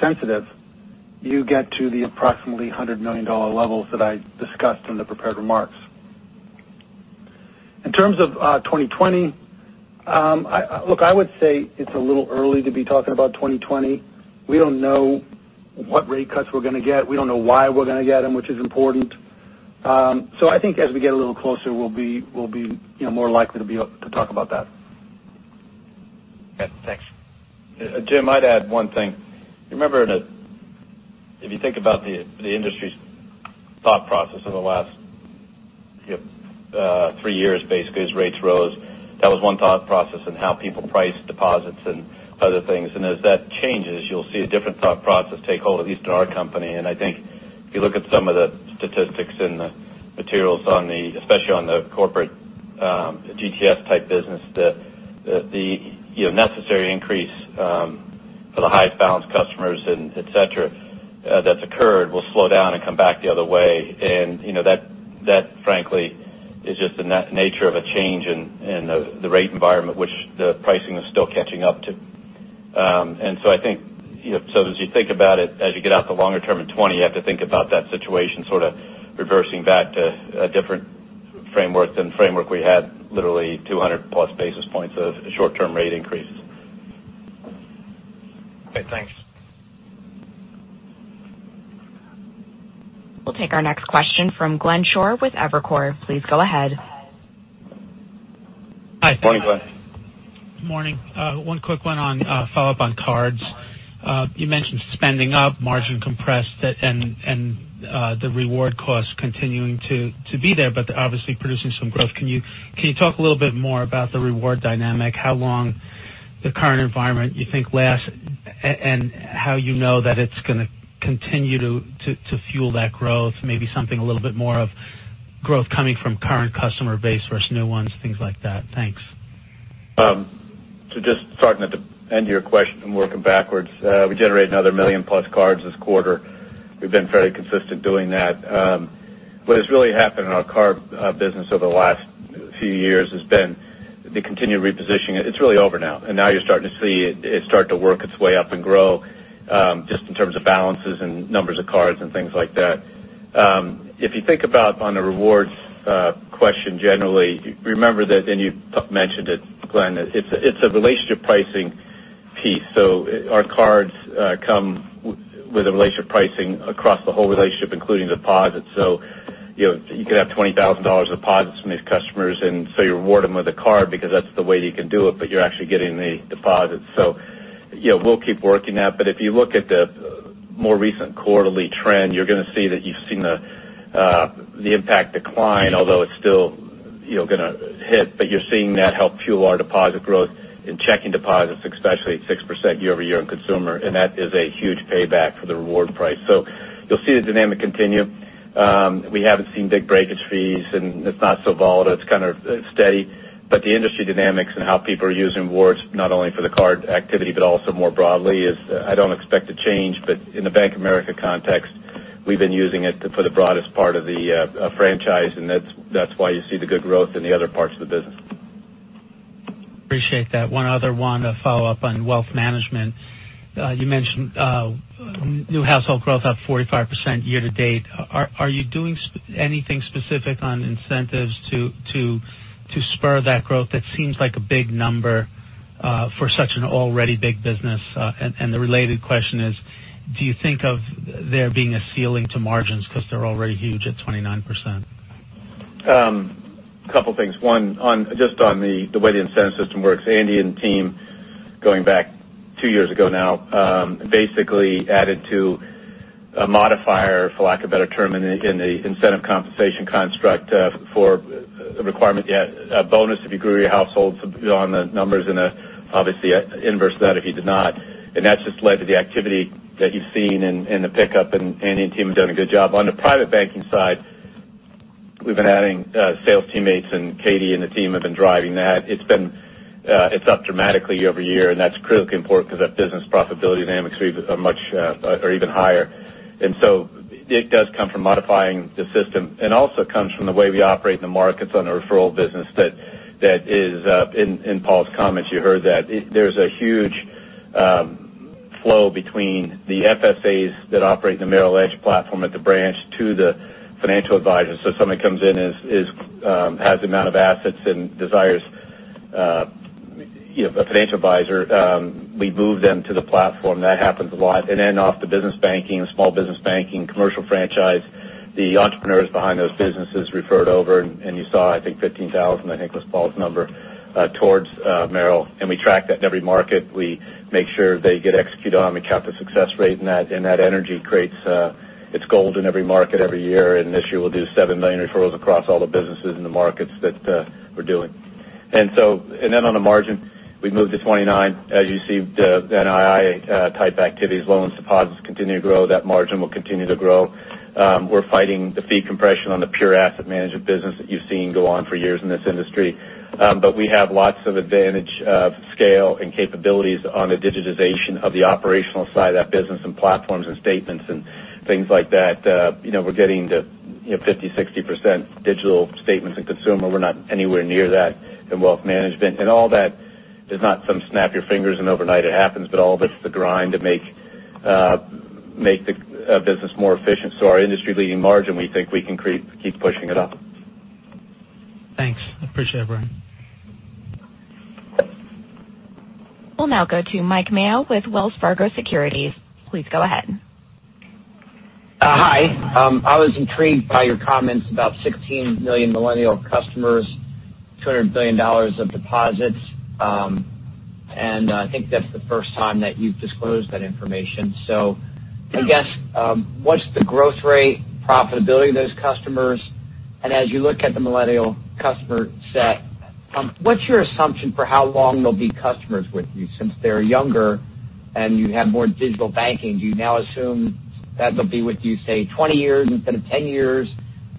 sensitive, you get to the approximately $100 million levels that I discussed in the prepared remarks. In terms of 2020, look, I would say it's a little early to be talking about 2020. We don't know what rate cuts we're going to get. We don't know why we're going to get them, which is important. I think as we get a little closer, we'll be more likely to be able to talk about that. Okay, thanks. Jim, I'd add one thing. Remember that if you think about the industry's thought process in the last three years, basically, as rates rose, that was one thought process in how people priced deposits and other things. As that changes, you'll see a different thought process take hold, at least in our company. I think if you look at some of the statistics and the materials, especially on the corporate GTS type business, the necessary increase for the high balance customers et cetera, that's occurred will slow down and come back the other way. That frankly, is just the nature of a change in the rate environment, which the pricing is still catching up to. I think as you think about it, as you get out the longer term in 2020, you have to think about that situation sort of reversing back to a different framework than the framework we had literally 200 plus basis points of short-term rate increases. Okay, thanks. We'll take our next question from Glenn Schorr with Evercore. Please go ahead. Morning, Glenn. Morning. One quick one on follow-up on cards. You mentioned spending up, margin compressed, and the reward costs continuing to be there, but obviously producing some growth. Can you talk a little bit more about the reward dynamic? How long the current environment you think lasts, and how you know that it's going to continue to fuel that growth? Maybe something a little bit more of growth coming from current customer base versus new ones, things like that. Thanks. Just starting at the end of your question and working backwards. We generated another million plus cards this quarter. We've been very consistent doing that. What has really happened in our card business over the last few years has been the continued repositioning. It's really over now, and now you're starting to see it start to work its way up and grow, just in terms of balances and numbers of cards and things like that. If you think about on the rewards question, generally, remember that, and you mentioned it, Glenn, it's a relationship pricing piece. Our cards come with a relationship pricing across the whole relationship, including deposits. You could have $20,000 of deposits from these customers, and so you reward them with a card because that's the way you can do it, but you're actually getting the deposits. We'll keep working that. If you look at the more recent quarterly trend, you're going to see that you've seen the impact decline, although it's still going to hit. You're seeing that help fuel our deposit growth in checking deposits, especially at six percent year-over-year in consumer. That is a huge payback for the reward price. You'll see the dynamic continue. We haven't seen big breakage fees, and it's not so volatile. It's kind of steady. The industry dynamics and how people are using rewards, not only for the card activity, but also more broadly is I don't expect to change. In the Bank of America context, we've been using it for the broadest part of the franchise, and that's why you see the good growth in the other parts of the business. Appreciate that. One other one, a follow-up on wealth management. You mentioned new household growth up 45% year-to-date. Are you doing anything specific on incentives to spur that growth? That seems like a big number for such an already big business. The related question is, do you think of there being a ceiling to margins because they're already huge at 29%? A couple of things. One, just on the way the incentive system works. Andy and the team, going back two years ago now basically added to a modifier, for lack of a better term, in the incentive compensation construct for a requirement, a bonus if you grew your households on the numbers and obviously inverse that if you did not. That's just led to the activity that you've seen and the pickup, and Andy and team have done a good job. On the private banking side We've been adding sales teammates, and Katie and the team have been driving that. It's up dramatically year-over-year, and that's critically important because that business profitability dynamics are even higher. It does come from modifying the system and also comes from the way we operate in the markets on the referral business that is, in Paul's comments, you heard that. There's a huge flow between the FSAs that operate the Merrill Edge platform at the branch to the financial advisors. If somebody comes in, has the amount of assets and desires a financial advisor, we move them to the platform. That happens a lot. Off to business banking, small business banking, commercial franchise. The entrepreneurs behind those businesses referred over, and you saw, I think, 15,000, I think, was Paul's number towards Merrill, and we track that in every market. We make sure they get executed on. We count the success rate, and that energy creates its gold in every market every year. This year, we'll do 7 million referrals across all the businesses in the markets that we're doing. On the margin, we've moved to 29. As you see, the NII-type activities, loans, deposits continue to grow. That margin will continue to grow. We're fighting the fee compression on the pure asset management business that you've seen go on for years in this industry. We have lots of advantage of scale and capabilities on the digitization of the operational side of that business and platforms and statements and things like that. We're getting to 50%, 60% digital statements in consumer. We're not anywhere near that in wealth management. All that is not some snap your fingers and overnight it happens, but all this is the grind to make the business more efficient. Our industry-leading margin, we think we can keep pushing it up. Thanks. I appreciate it, Brian Kleinhanzl. We'll now go to Mike Mayo with Wells Fargo Securities. Please go ahead. Hi. I was intrigued by your comments about 16 million Millennial customers, $200 billion of deposits. I think that's the first time that you've disclosed that information. I guess, what's the growth rate profitability of those customers? As you look at the Millennial customer set, what's your assumption for how long they'll be customers with you since they're younger and you have more digital banking? Do you now assume that they'll be with you, say, 20 years instead of 10 years?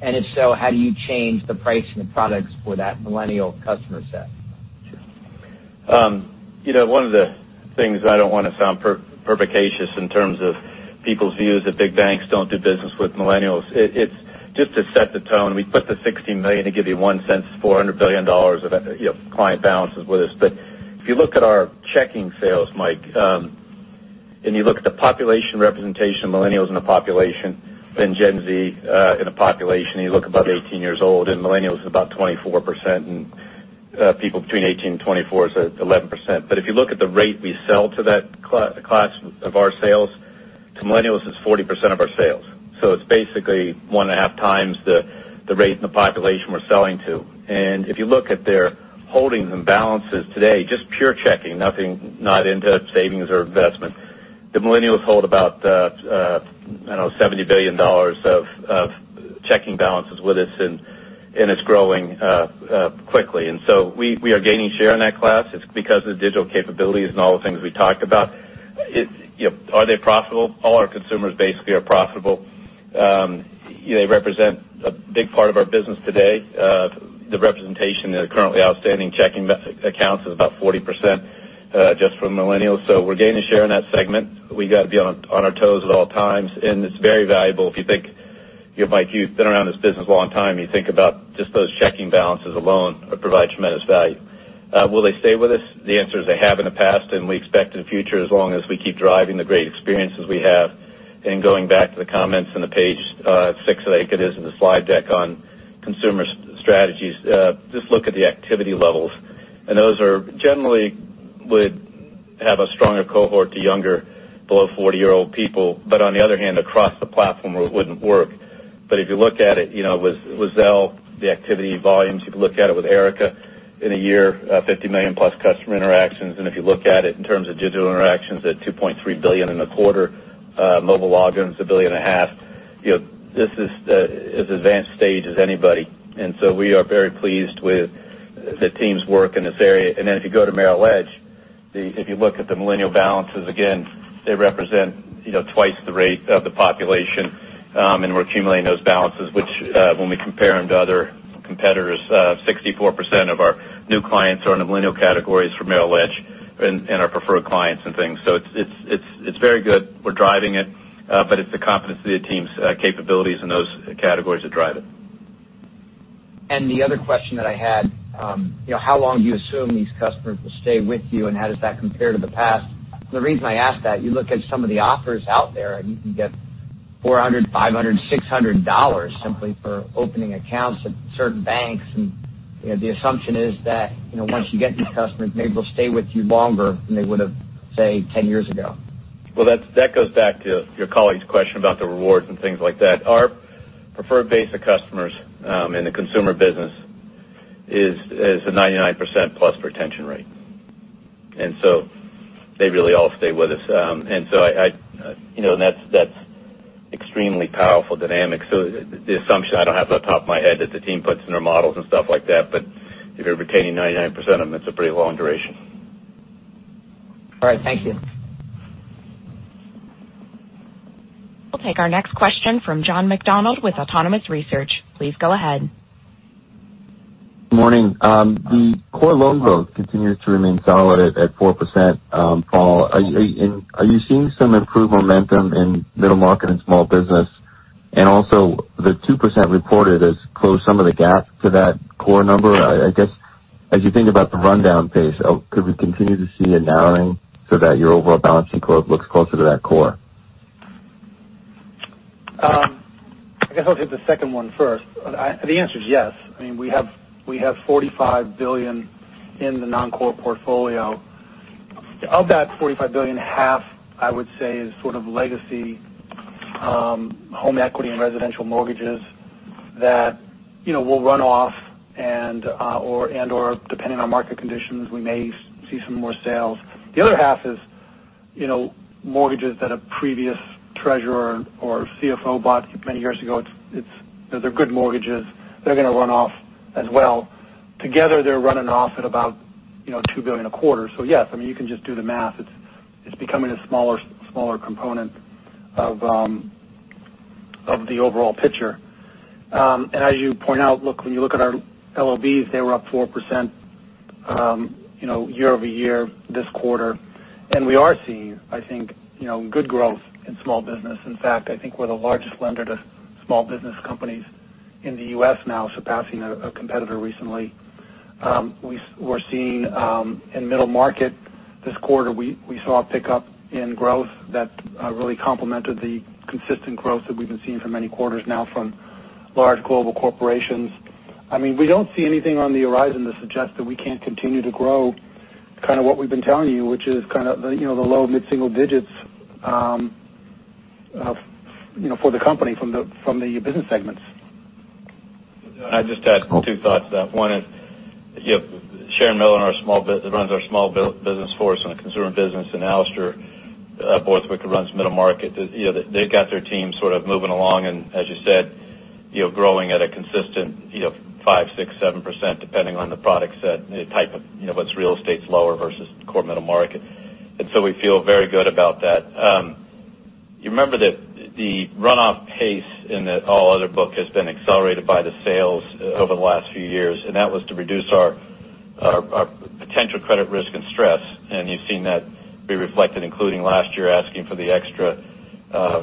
If so, how do you change the pricing of products for that Millennial customer set? One of the things I don't want to sound pugnacious in terms of people's views that big banks don't do business with Millennials. It's just to set the tone. We put the 16 million to give you one sense, $400 billion of client balances with us. If you look at our checking sales, Mike, you look at the population representation of Millennials in the population, Gen Z in the population, you look above 18 years old, Millennials is about 24%, people between 18 and 24 is 11%. If you look at the rate we sell to that class of our sales, to Millennials, it's 40% of our sales. It's basically one and a half times the rate in the population we're selling to. If you look at their holdings and balances today, just pure checking, nothing, not into savings or investment. Millennials hold about $70 billion of checking balances with us, and it's growing quickly. We are gaining share in that class. It's because of the digital capabilities and all the things we talked about. Are they profitable? All our consumers basically are profitable. They represent a big part of our business today. The representation currently outstanding checking accounts is about 40% just from Millennials. We're gaining share in that segment. We got to be on our toes at all times, and it's very valuable. If you think, Mike, you've been around this business a long time, you think about just those checking balances alone provide tremendous value. Will they stay with us? The answer is they have in the past, and we expect in the future, as long as we keep driving the great experiences we have. Going back to the comments on page six, I think it is, in the slide deck on consumer strategies. Just look at the activity levels. Those are generally would have a stronger cohort to younger below 40-year-old people. On the other hand, across the platform, it wouldn't work. If you look at it with Zelle, the activity volumes, you'd look at it with Erica in a year, 50 million-plus customer interactions. If you look at it in terms of digital interactions at 2.3 billion in a quarter, mobile logins, a billion and a half. This is as advanced stage as anybody. We are very pleased with the team's work in this area. If you go to Merrill Edge, if you look at the Millennial balances, again, they represent twice the rate of the population, and we're accumulating those balances, which when we compare them to other competitors, 64% of our new clients are in the Millennial categories for Merrill Lynch and our preferred clients and things. It's very good. We're driving it, but it's the competency of the team's capabilities in those categories that drive it. The other question that I had, how long do you assume these customers will stay with you, and how does that compare to the past? The reason I ask that, you look at some of the offers out there, and you can get $400, $500, $600 simply for opening accounts at certain banks. The assumption is that once you get these customers, maybe they'll stay with you longer than they would have, say, 10 years ago. That goes back to your colleague's question about the rewards and things like that. Our preferred base of customers in the Consumer Banking business is a 99%-plus retention rate. They really all stay with us. That's extremely powerful dynamics. The assumption, I don't have it off the top of my head, that the team puts in their models and stuff like that, but if you're retaining 99% of them, that's a pretty long duration. All right. Thank you. We'll take our next question from John McDonald with Autonomous Research. Please go ahead. Morning. The core loan growth continues to remain solid at four percent fall. Are you seeing some improved momentum in middle market and small business? Also, the two percent reported has closed some of the gap to that core number. I guess as you think about the rundown pace, could we continue to see it narrowing so that your overall balance sheet looks closer to that core? I guess I'll hit the second one first. The answer is yes. We have $45 billion in the non-core portfolio. Of that $45 billion, half I would say is sort of legacy home equity and residential mortgages that will run off and/or depending on market conditions, we may see some more sales. The other half is mortgages that a previous treasurer or CFO bought many years ago. They're good mortgages. They're going to run off as well. Together, they're running off at about $2 billion a quarter. Yes, you can just do the math. It's becoming a smaller component of the overall picture. As you point out, when you look at our LOBs, they were up four percent year-over-year this quarter. We are seeing, I think, good growth in small business. In fact, I think we're the largest lender to small business companies in the U.S. now, surpassing a competitor recently. We're seeing in middle market this quarter, we saw a pickup in growth that really complemented the consistent growth that we've been seeing for many quarters now from large global corporations. We don't see anything on the horizon that suggests that we can't continue to grow what we've been telling you, which is the low to mid-single digits for the company from the business segments. I'd just add two thoughts to that. One is Sharon Miller runs our small business for us on the consumer business, and Alastair Borthwick, who runs middle market. They've got their team sort of moving along and as you said, growing at a consistent five percent, six percent, seven percent, depending on the product set, what's real estate's lower versus core middle market. We feel very good about that. You remember that the runoff pace in the all other book has been accelerated by the sales over the last few years, and that was to reduce our potential credit risk and stress. You've seen that be reflected including last year asking for the extra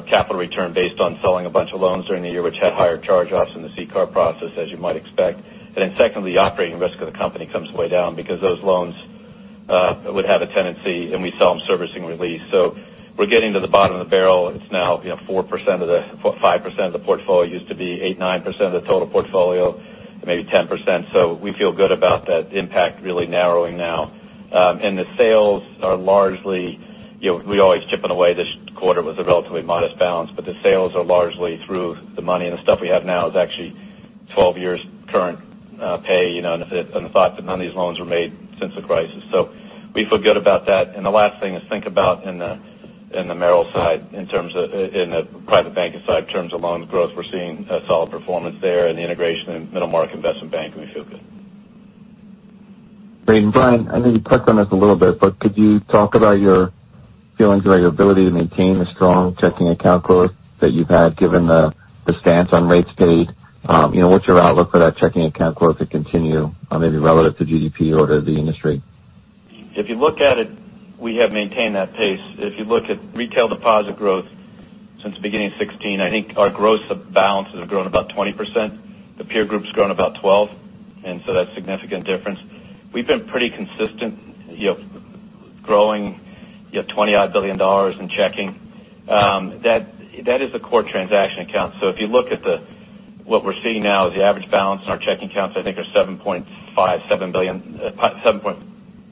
capital return based on selling a bunch of loans during the year which had higher charge-offs in the CCAR process as you might expect. Secondly, operating risk of the company comes way down because those loans would have a tendency and we sell them servicing release. We're getting to the bottom of the barrel. It's now four percent of the five percent of the portfolio. It used to be eight percent, nine percent of the total portfolio, maybe 10%. We feel good about that impact really narrowing now. The sales are largely, we always chip it away. This quarter was a relatively modest balance, but the sales are largely through the money. The stuff we have now is actually 12 years current pay and the thought that none of these loans were made since the crisis. We feel good about that. The last thing is think about in the Merrill side, in the private banking side, in terms of loans growth. We're seeing a solid performance there in the integration in middle market investment banking. We feel good. Great. Brian, I know you touched on this a little bit, but could you talk about your feelings about your ability to maintain the strong checking account growth that you've had given the stance on rates paid? What's your outlook for that checking account growth to continue maybe relative to GDP or to the industry? If you look at it, we have maintained that pace. If you look at retail deposit growth since the beginning of 2016, I think our gross balances have grown about 20%. The peer group's grown about 12%. That's a significant difference. We've been pretty consistent growing $20-odd billion in checking. That is a core transaction account. If you look at what we're seeing now is the average balance in our checking accounts I think are $7,500,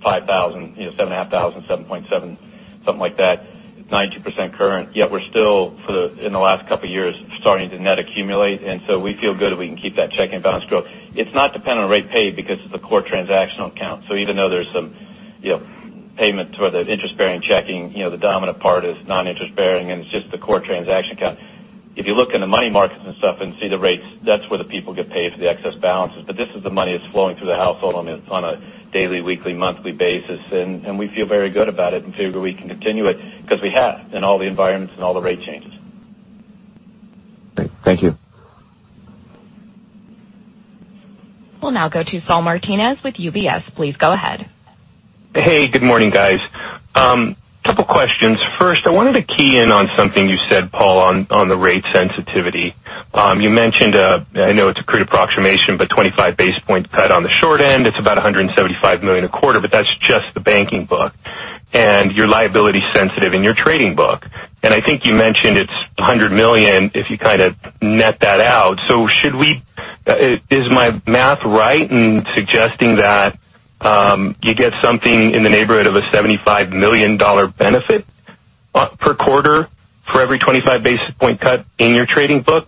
$7,700, something like that. It's 92% current, yet we're still in the last couple of years starting to net accumulate. We feel good that we can keep that checking balance growth. It's not dependent on rate paid because it's a core transactional account. Even though there's some payment for the interest-bearing checking, the dominant part is non-interest bearing and it's just the core transaction account. If you look in the money markets and stuff and see the rates, that's where the people get paid for the excess balances. This is the money that's flowing through the household on a daily, weekly, monthly basis. We feel very good about it and figure we can continue it because we have in all the environments and all the rate changes. Great. Thank you. We'll now go to Saul Martinez with UBS. Please go ahead. Hey, good morning, guys. Couple questions. First, I wanted to key in on something you said, Paul, on the rate sensitivity. You mentioned, I know it's a crude approximation, but 25-basis point cut on the short end. It's about $175 million a quarter, but that's just the banking book. You're liability sensitive in your trading book. I think you mentioned it's $100 million if you kind of net that out. Is my math right in suggesting that you get something in the neighborhood of a $75 million benefit per quarter for every 25-basis point cut in your trading book?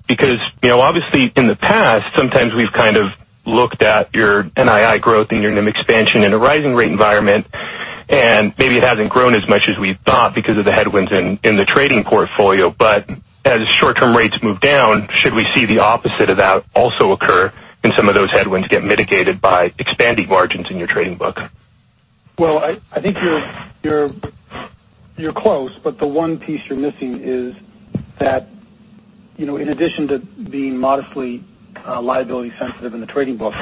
Obviously in the past, sometimes we've kind of looked at your NII growth and your NIM expansion in a rising rate environment, and maybe it hasn't grown as much as we thought because of the headwinds in the trading portfolio. As short-term rates move down, should we see the opposite of that also occur and some of those headwinds get mitigated by expanding margins in your trading book? Well, I think you're close, but the one piece you're missing is that in addition to being modestly liability sensitive in the trading book,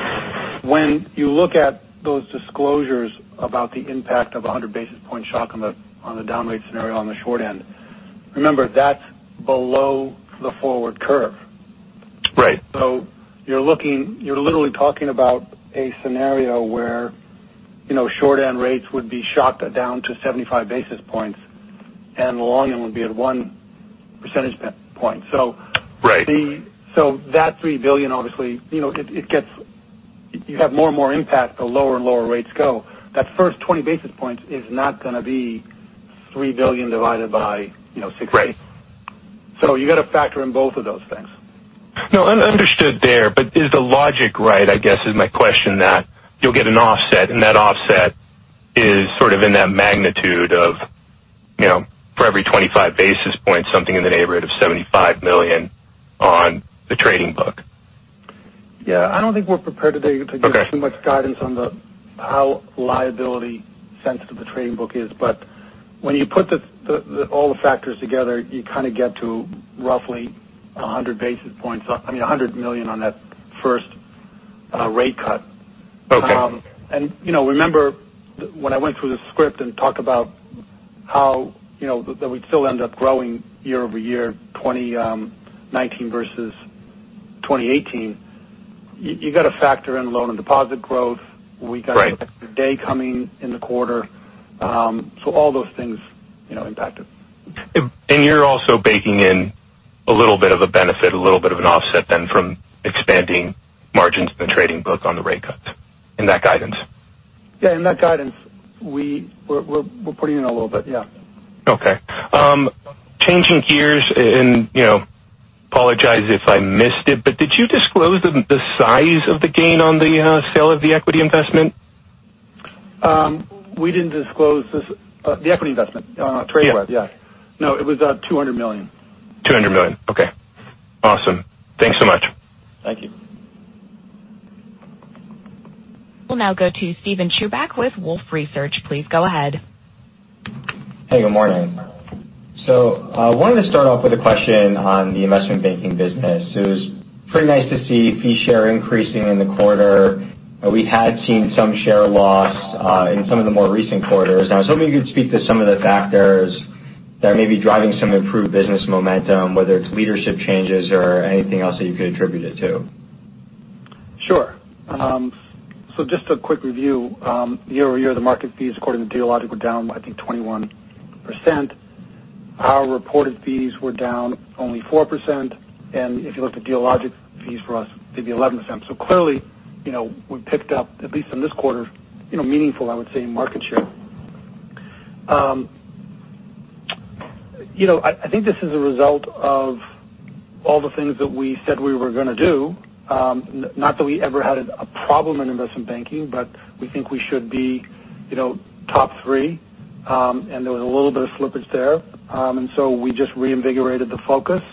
when you look at those disclosures about the impact of 100 basis points shock on the down rate scenario on the short end, remember that's below the forward curve. Right. You're literally talking about a scenario where short-end rates would be shocked down to 75 basis points and the long end would be at one percentage point. Right. That $3 billion, obviously, you have more and more impact the lower and lower rates go. That first 20 basis points is not going to be $3 billion divided by 60. Right. You got to factor in both of those things. Understood there. Is the logic right, I guess is my question, that you'll get an offset and that offset is sort of in that magnitude of for every 25 basis points, something in the neighborhood of $75 million on the trading book. Yeah. I don't think we're prepared. Okay To give too much guidance on how liability sensitive the trading book is. When you put all the factors together, you kind of get to roughly 100 basis points. I mean, $100 million on that first rate cut. Okay. Remember when I went through the script and talked about how that we'd still end up growing year-over-year 2019 versus 2018, you got to factor in loan and deposit growth. Right. We got the day coming in the quarter. All those things impacted. You're also baking in a little bit of a benefit, a little bit of an offset then from expanding margins in the trading book on the rate cuts in that guidance. In that guidance we're putting in a little bit. Changing gears and apologize if I missed it, but did you disclose the size of the gain on the sale of the equity investment? We didn't disclose the equity investment on Tradeweb, yeah. Yeah. No, it was $200 million. $200 million. Okay, awesome. Thanks so much. Thank you. We'll now go to Steven Chubak with Wolfe Research. Please go ahead. Hey, good morning. I wanted to start off with a question on the investment banking business. It was pretty nice to see fee share increasing in the quarter. We had seen some share loss in some of the more recent quarters. I was hoping you could speak to some of the factors that may be driving some improved business momentum, whether it's leadership changes or anything else that you could attribute it to. Sure. Just a quick review. Year over year, the market fees according to Dealogic were down, I think 21%. Our reported fees were down only four percent. If you look at Dealogic fees for us, they'd be 11%. Clearly, we picked up, at least in this quarter meaningful, I would say, market share. I think this is a result of all the things that we said we were going to do. Not that we ever had a problem in investment banking, but we think we should be top three. There was a little bit of slippage there. We just reinvigorated the focus.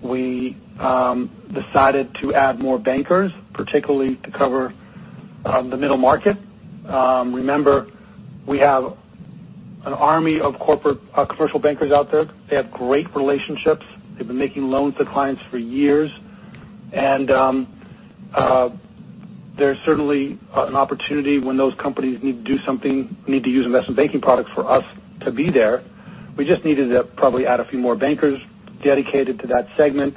We decided to add more bankers, particularly to cover the middle market. Remember, we have an army of corporate commercial bankers out there. They have great relationships. They've been making loans to clients for years. There's certainly an opportunity when those companies need to do something, need to use investment banking products for us to be there. We just needed to probably add a few more bankers dedicated to that segment.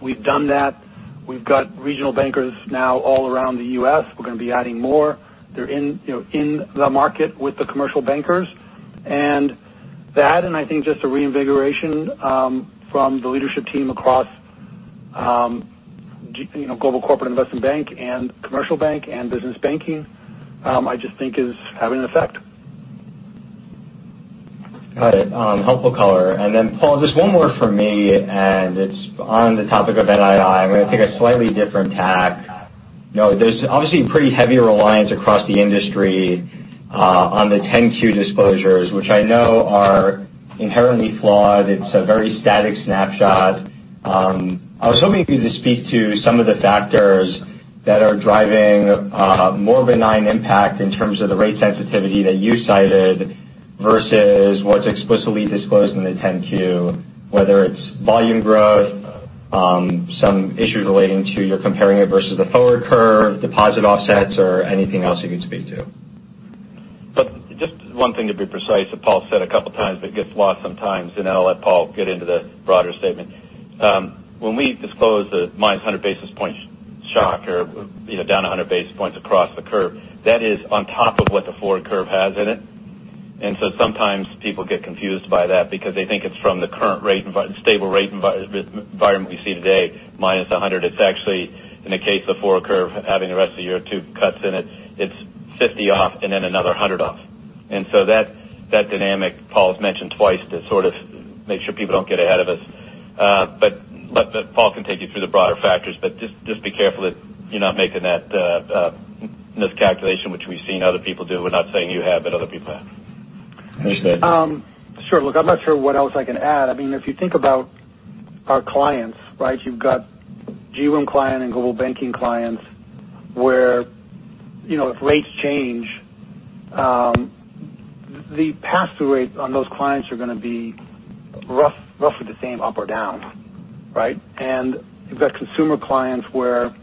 We've done that. We've got regional bankers now all around the U.S. We're going to be adding more. They're in the market with the commercial bankers. That, and I think just a reinvigoration from the leadership team across Global Corporate and Investment Banking and Global Commercial Banking and Business Banking, I just think is having an effect. Got it. Helpful color. Paul, just one more from me, and it's on the topic of NII. I'm going to take a slightly different tack. There's obviously pretty heavy reliance across the industry on the 10-Q disclosures, which I know are inherently flawed. It's a very static snapshot. I was hoping for you to speak to some of the factors that are driving a more benign impact in terms of the rate sensitivity that you cited versus what's explicitly disclosed in the 10-Q, whether it's volume growth, some issues relating to you're comparing it versus the forward curve, deposit offsets or anything else you could speak to. Just one thing to be precise that Paul said a couple of times, it gets lost sometimes. I'll let Paul get into the broader statement. When we disclose the minus 100 basis points shock or down 100 basis points across the curve, that is on top of what the forward curve has in it. Sometimes people get confused by that because they think it's from the current stable rate environment we see today, minus 100. It's actually, in the case of the forward curve, having the rest of the year two cuts in it. It's 50 off and then another 100 off. That dynamic Paul has mentioned twice to sort of make sure people don't get ahead of us. Paul can take you through the broader factors, but just be careful that you're not making that miscalculation, which we've seen other people do. We're not saying you have, other people have. Understood. Sure. Look, I'm not sure what else I can add. Our clients, you've got G1 client and Global Banking clients where if rates change, the pass-through rate on those clients are going to be roughly the same up or down. You've got Consumer Banking clients where,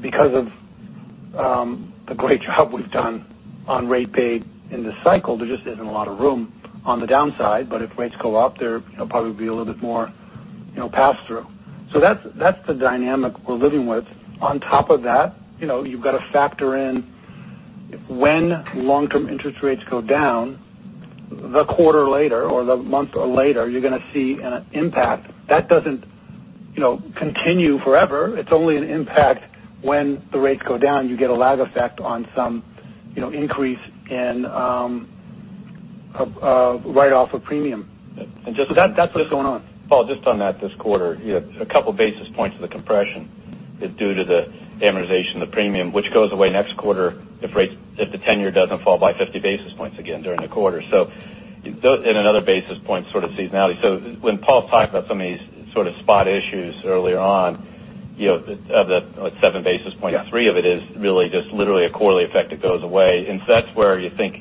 because of the great job we've done on rate paid in this cycle, there just isn't a lot of room on the downside. If rates go up, there probably will be a little bit more pass-through. That's the dynamic we're living with. On top of that, you've got to factor in when long-term interest rates go down, the quarter later or the month later, you're going to see an impact. That doesn't continue forever. It's only an impact when the rates go down. You get a lag effect on some increase in write-off of premium. That's what's going on. Paul, just on that this quarter, a couple basis points of the compression is due to the amortization of the premium, which goes away next quarter if the 10-year doesn't fall by 50 basis points again during the quarter. In another basis point sort of seasonality. When Paul's talking about some of these sort of spot issues earlier on, of the seven basis points. Yeah three of it is really just literally a quarterly effect that goes away. That's where as you think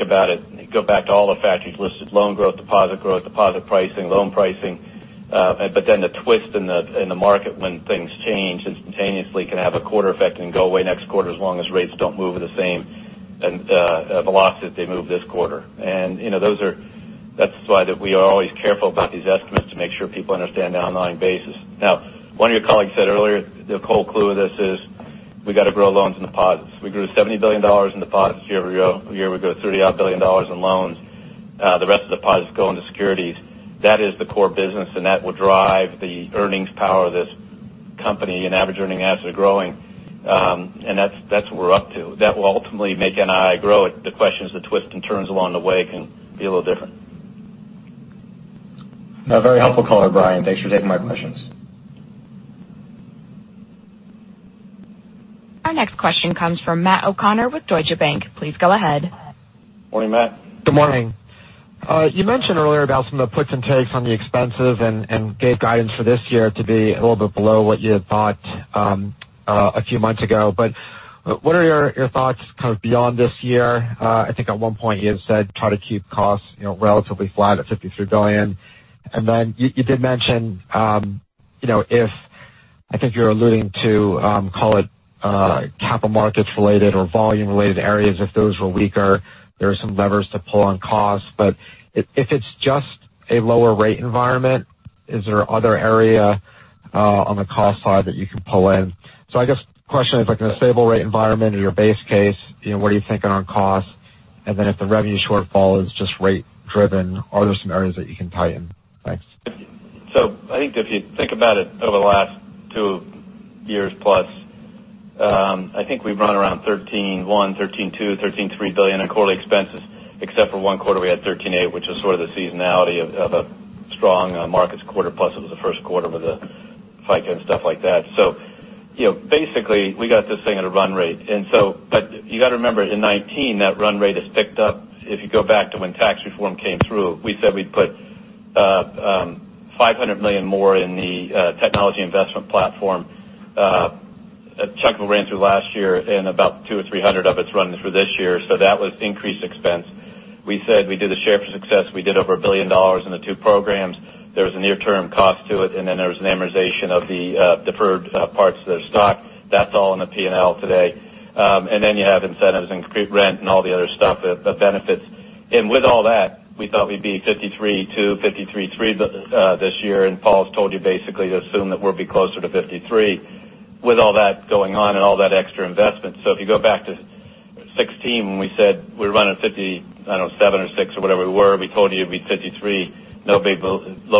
about it, go back to all the factors you've listed, loan growth, deposit growth, deposit pricing, loan pricing. The twist in the market when things change instantaneously can have a quarter effect and go away next quarter as long as rates don't move at the same velocity that they moved this quarter. That's why we are always careful about these estimates to make sure people understand the underlying basis. One of your colleagues said earlier, the whole clue of this is we got to grow loans and deposits. We grew $70 billion in deposits year-over-year. We grew $30-odd billion in loans. The rest of the deposits go into securities. That is the core business, that will drive the earnings power of this company and average earning assets are growing. That's what we're up to. That will ultimately make NII grow. The question is the twists and turns along the way can be a little different. No, very helpful color, Brian. Thanks for taking my questions. Our next question comes from Matt O'Connor with Deutsche Bank. Please go ahead. Morning, Matt. Good morning. You mentioned earlier about some of the puts and takes on the expenses and gave guidance for this year to be a little bit below what you had thought a few months ago. What are your thoughts kind of beyond this year? I think at one point you had said try to keep costs relatively flat at $53 billion. You did mention, I think you're alluding to call it capital markets related or volume related areas. If those were weaker, there are some levers to pull on costs. If it's just a lower rate environment, is there other area on the cost side that you can pull in? I guess the question is like in a stable rate environment or your base case, what are you thinking on costs? If the revenue shortfall is just rate driven, are there some areas that you can tighten? Thanks. I think if you think about it over the last two years plus, I think we've run around $13.1 billion, $13.2 billion, $13.3 billion in quarterly expenses. Except for one quarter, we had $13.8 billion, which is sort of the seasonality of a strong markets quarter, plus it was the Q1 with the FICA and stuff like that. Basically we got this thing at a run rate. You got to remember, in 2019, that run rate has ticked up. If you go back to when tax reform came through, we said we'd put $500 million more in the technology investment platform. A chunk of it ran through last year, and about $200 million or $300 million of it's running through this year. That was increased expense. We said we did the Share for Success. We did over $1 billion in the two programs. There was a near-term cost to it, there was an amortization of the deferred parts of their stock. That's all in the P&L today. You have incentives and rent and all the other stuff, the benefits. With all that, we thought we'd be $53.2 billion, $53.3 billion this year. Paul Donofrio's told you basically to assume that we'll be closer to $53 billion with all that going on and all that extra investment. If you go back to 2016, when we said we're running $50 billion, I don't know, $57 billion or $56 billion or whatever we were, we told you it'd be $53 billion. Low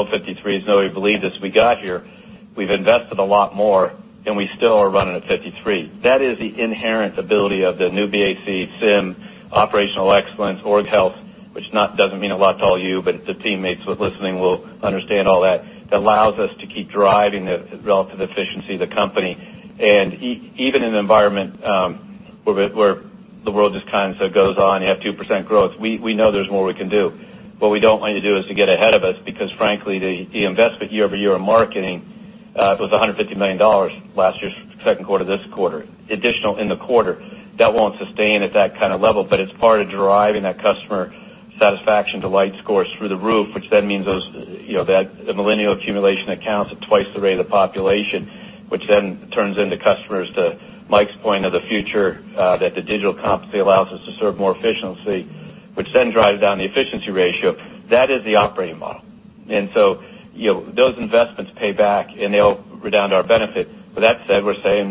$53 billions. Nobody believed us. We got here. We've invested a lot more, and we still are running at $53 billion. That is the inherent ability of the new BAC SIM operational excellence org health, which doesn't mean a lot to all you, but the teammates listening will understand all that. That allows us to keep driving the relative efficiency of the company. Even in an environment where the world just kind of goes on, you have two percent growth, we know there's more we can do. What we don't want to do is to get ahead of it, because frankly, the investment year-over-year in marketing was $150 million last year's second quarter, this quarter, additional in the quarter. That won't sustain at that kind of level. It's part of driving that customer satisfaction delight scores through the roof, which then means the Millennial accumulation accounts at twice the rate of the population, which then turns into customers, to Mike's point of the future, that the digital competency allows us to serve more efficiency, which then drives down the efficiency ratio. That is the operating model. Those investments pay back, and they all redound to our benefit. With that said,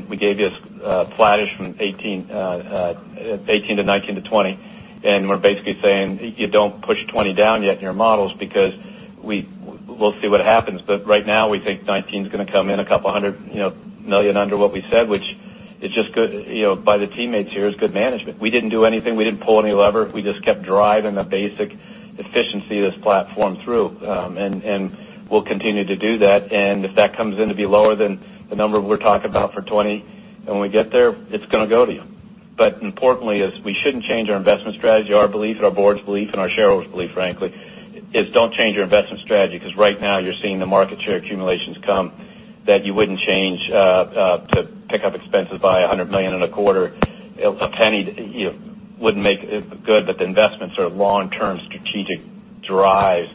we gave you a flattish from 2018 - 2019 - 2020, and we're basically saying you don't push 2020 down yet in your models because we'll see what happens. Right now, we think 2019 is going to come in $200 million under what we said, which is just by the teammates here is good management. We didn't do anything. We didn't pull any lever. We just kept driving the basic efficiency of this platform through. We'll continue to do that. If that comes in to be lower than the number we're talking about for 2020, and when we get there, it's going to go to you. Importantly is we shouldn't change our investment strategy. Our belief, and our board's belief, and our shareholders' belief, frankly, is don't change your investment strategy because right now you're seeing the market share accumulations come that you wouldn't change to pick up expenses by $100 million in a quarter. A penny wouldn't make good, the investments are long-term strategic drives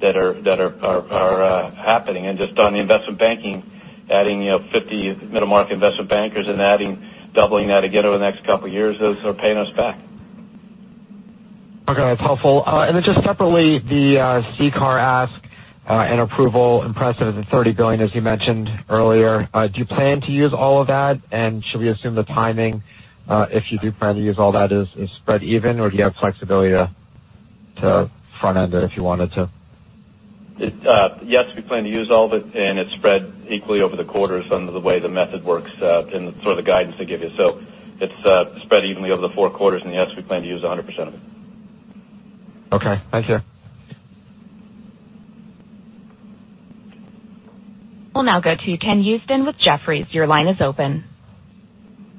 that are happening. Just on the investment banking, adding 50 middle-market investment bankers and doubling that again over the next couple of years is paying us back. Okay. That's helpful. Then just separately, the CCAR ask and approval impressive at $30 billion, as you mentioned earlier. Do you plan to use all of that? Should we assume the timing, if you do plan to use all that, is spread even, or do you have flexibility to front-end it if you wanted to? Yes, we plan to use all of it's spread equally over the quarters under the way the method works and sort of the guidance they give you. It's spread evenly over the Q4. Yes, we plan to use 100% of it. Okay. Thanks, Gary. We'll now go to Ken Usdin with Jefferies. Your line is open.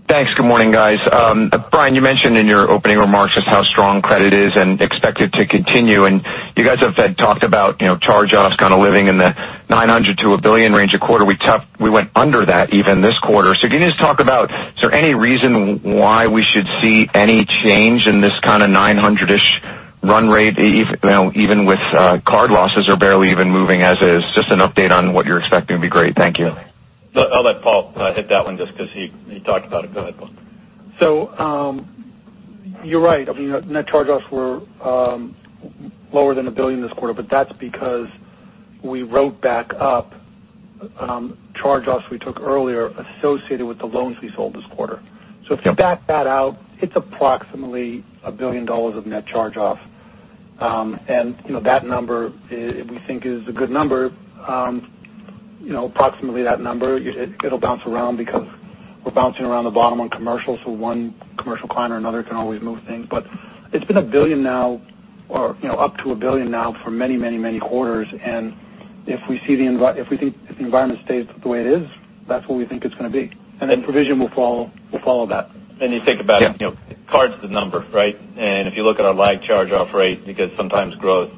Thanks. Good morning, guys. Brian, you mentioned in your opening remarks just how strong credit is and expect it to continue. You guys have talked about charge-offs kind of living in the $900- $1 billion range a quarter. We went under that even this quarter. Can you just talk about, is there any reason why we should see any change in this kind of $900-ish run rate even with card losses are barely even moving as is? Just an update on what you're expecting would be great. Thank you. I'll let Paul hit that one just because he talked about it. Go ahead, Paul. You're right. Net charge-offs were lower than $1 billion this quarter. That's because we wrote back up charge-offs we took earlier associated with the loans we sold this quarter. If you back that out, it's approximately $1 billion of net charge-off. That number we think is a good number. Approximately that number. It'll bounce around because we're bouncing around the bottom on commercial. One commercial client or another can always move things. It's been $1 billion now or up to $1 billion now for many, many, many quarters. If we see the environment stays the way it is, that's what we think it's going to be. Provision will follow that. You think about it. Yeah. Card's the number, right? If you look at our lag charge-off rate because sometimes growth,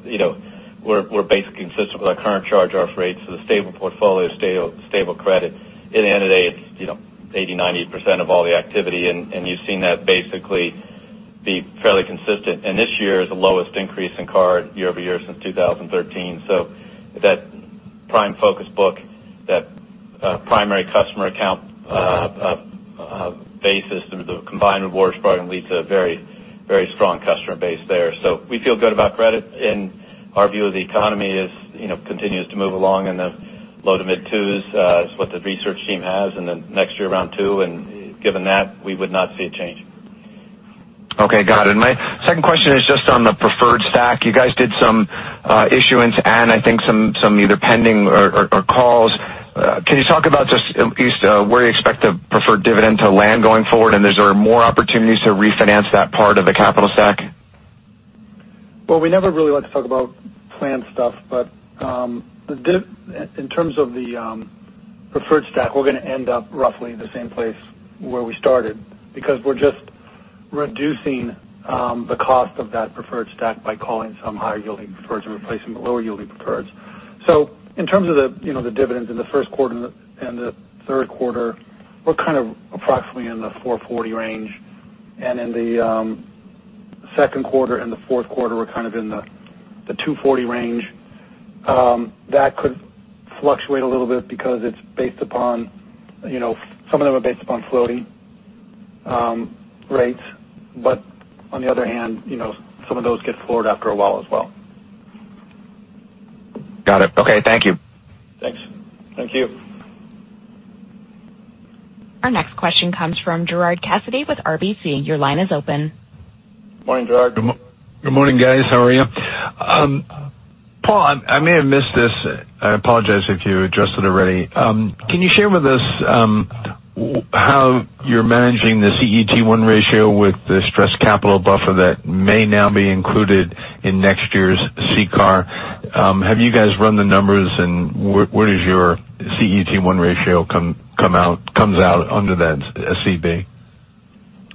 we're basically consistent with our current charge-off rates. The stable portfolio, stable credit. At the end of the day, it's 80%-90% of all the activity. You've seen that basically be fairly consistent. This year is the lowest increase in card year-over-year since 2013. That prime focus book, that primary customer account basis through the combined rewards program leads to a very strong customer base there. We feel good about credit. Our view of the economy continues to move along in the low to mid twos is what the research team has. Next year around two. Given that, we would not see a change. Okay. Got it. My second question is just on the preferred stack. You guys did some issuance. I think some either pending or calls. Can you talk about just at least where you expect the preferred dividend to land going forward? Is there more opportunities to refinance that part of the capital stack? We never really like to talk about planned stuff. In terms of the preferred stack, we're going to end up roughly in the same place where we started because we're just reducing the cost of that preferred stack by calling some higher yielding preferreds and replacing the lower yielding preferreds. In terms of the dividends in the Q1 and the Q3, we're kind of approximately in the $440 range. In the Q2 and the fourth quarter, we're kind of in the $240 range. That could fluctuate a little bit because some of them are based upon floating rates. On the other hand, some of those get floored after a while as well. Got it. Okay. Thank you. Thanks. Thank you. Our next question comes from Gerard Cassidy with RBC. Your line is open. Morning, Gerard. Good morning, guys. How are you? Paul, I may have missed this. I apologize if you addressed it already. Can you share with us how you're managing the CET1 ratio with the stress capital buffer that may now be included in next year's CCAR? Have you guys run the numbers, and where does your CET1 ratio comes out under that SCB?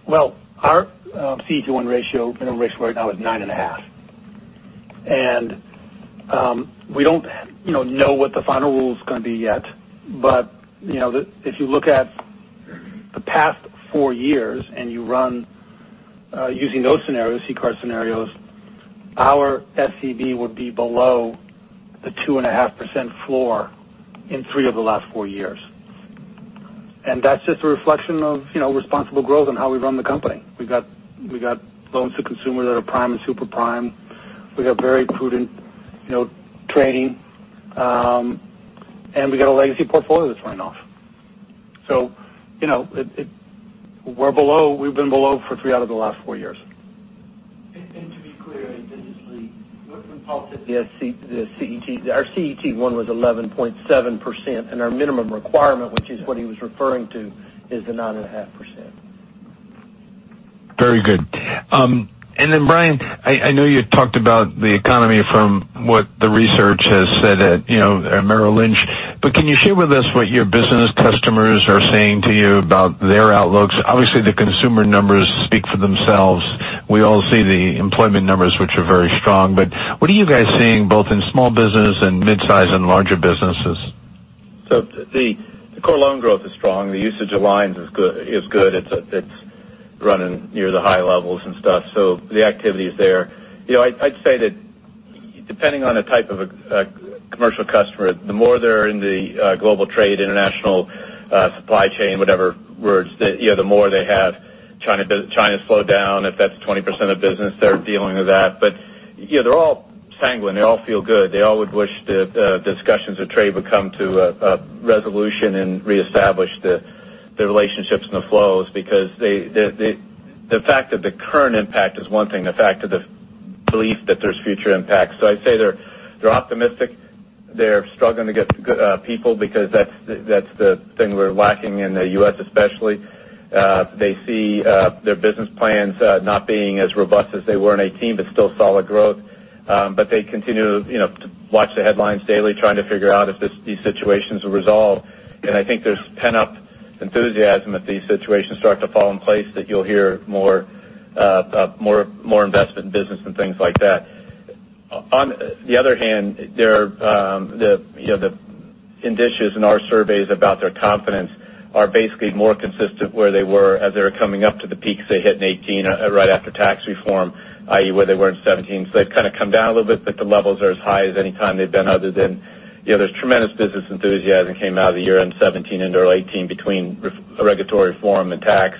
Well, our CET1 ratio in a risk right now is 9.5. We don't know what the final rule is going to be yet. But if you look at the past four years and you run using those scenarios, CCAR scenarios, our SCB would be below the 2.5% floor in three of the last four years. That's just a reflection of responsible growth and how we run the company. We got loans to consumers that are prime and super prime. We got very prudent trading. We got a legacy portfolio that's run off. We've been below for three out of the last four years. To be clear, this is Lee. What Paul said, our CET1 was 11.7%, and our minimum requirement, which is what he was referring to, is the 9.5%. Very good. Brian, I know you talked about the economy from what the research has said at Merrill Lynch, can you share with us what your business customers are saying to you about their outlooks? Obviously, the consumer numbers speak for themselves. We all see the employment numbers, which are very strong. What are you guys seeing both in small business and midsize and larger businesses? The core loan growth is strong. The usage aligns is good. It's running near the high levels and stuff. The activity is there. I'd say that depending on the type of a commercial customer, the more they're in the global trade, international supply chain, whatever words, the more they have China's slowdown. If that's 20% of business, they're dealing with that. They're all sanguine. They all feel good. They all would wish the discussions of trade would come to a resolution and reestablish the relationships and the flows because the fact that the current impact is one thing, the fact that the belief that there's future impacts. I'd say they're optimistic. They're struggling to get people because that's the thing we're lacking in the U.S. especially. They see their business plans not being as robust as they were in 2018, still solid growth. They continue to watch the headlines daily trying to figure out if these situations will resolve. I think there's pent-up enthusiasm if these situations start to fall in place that you'll hear more investment in business and things like that. On the other hand, the indicials in our surveys about their confidence are basically more consistent where they were as they were coming up to the peaks they hit in 2018 right after tax reform, i.e., where they were in 2017. They've kind of come down a little bit, the levels are as high as any time they've been other than there's tremendous business enthusiasm came out of the year-end 2017 into early 2018 between regulatory reform and tax.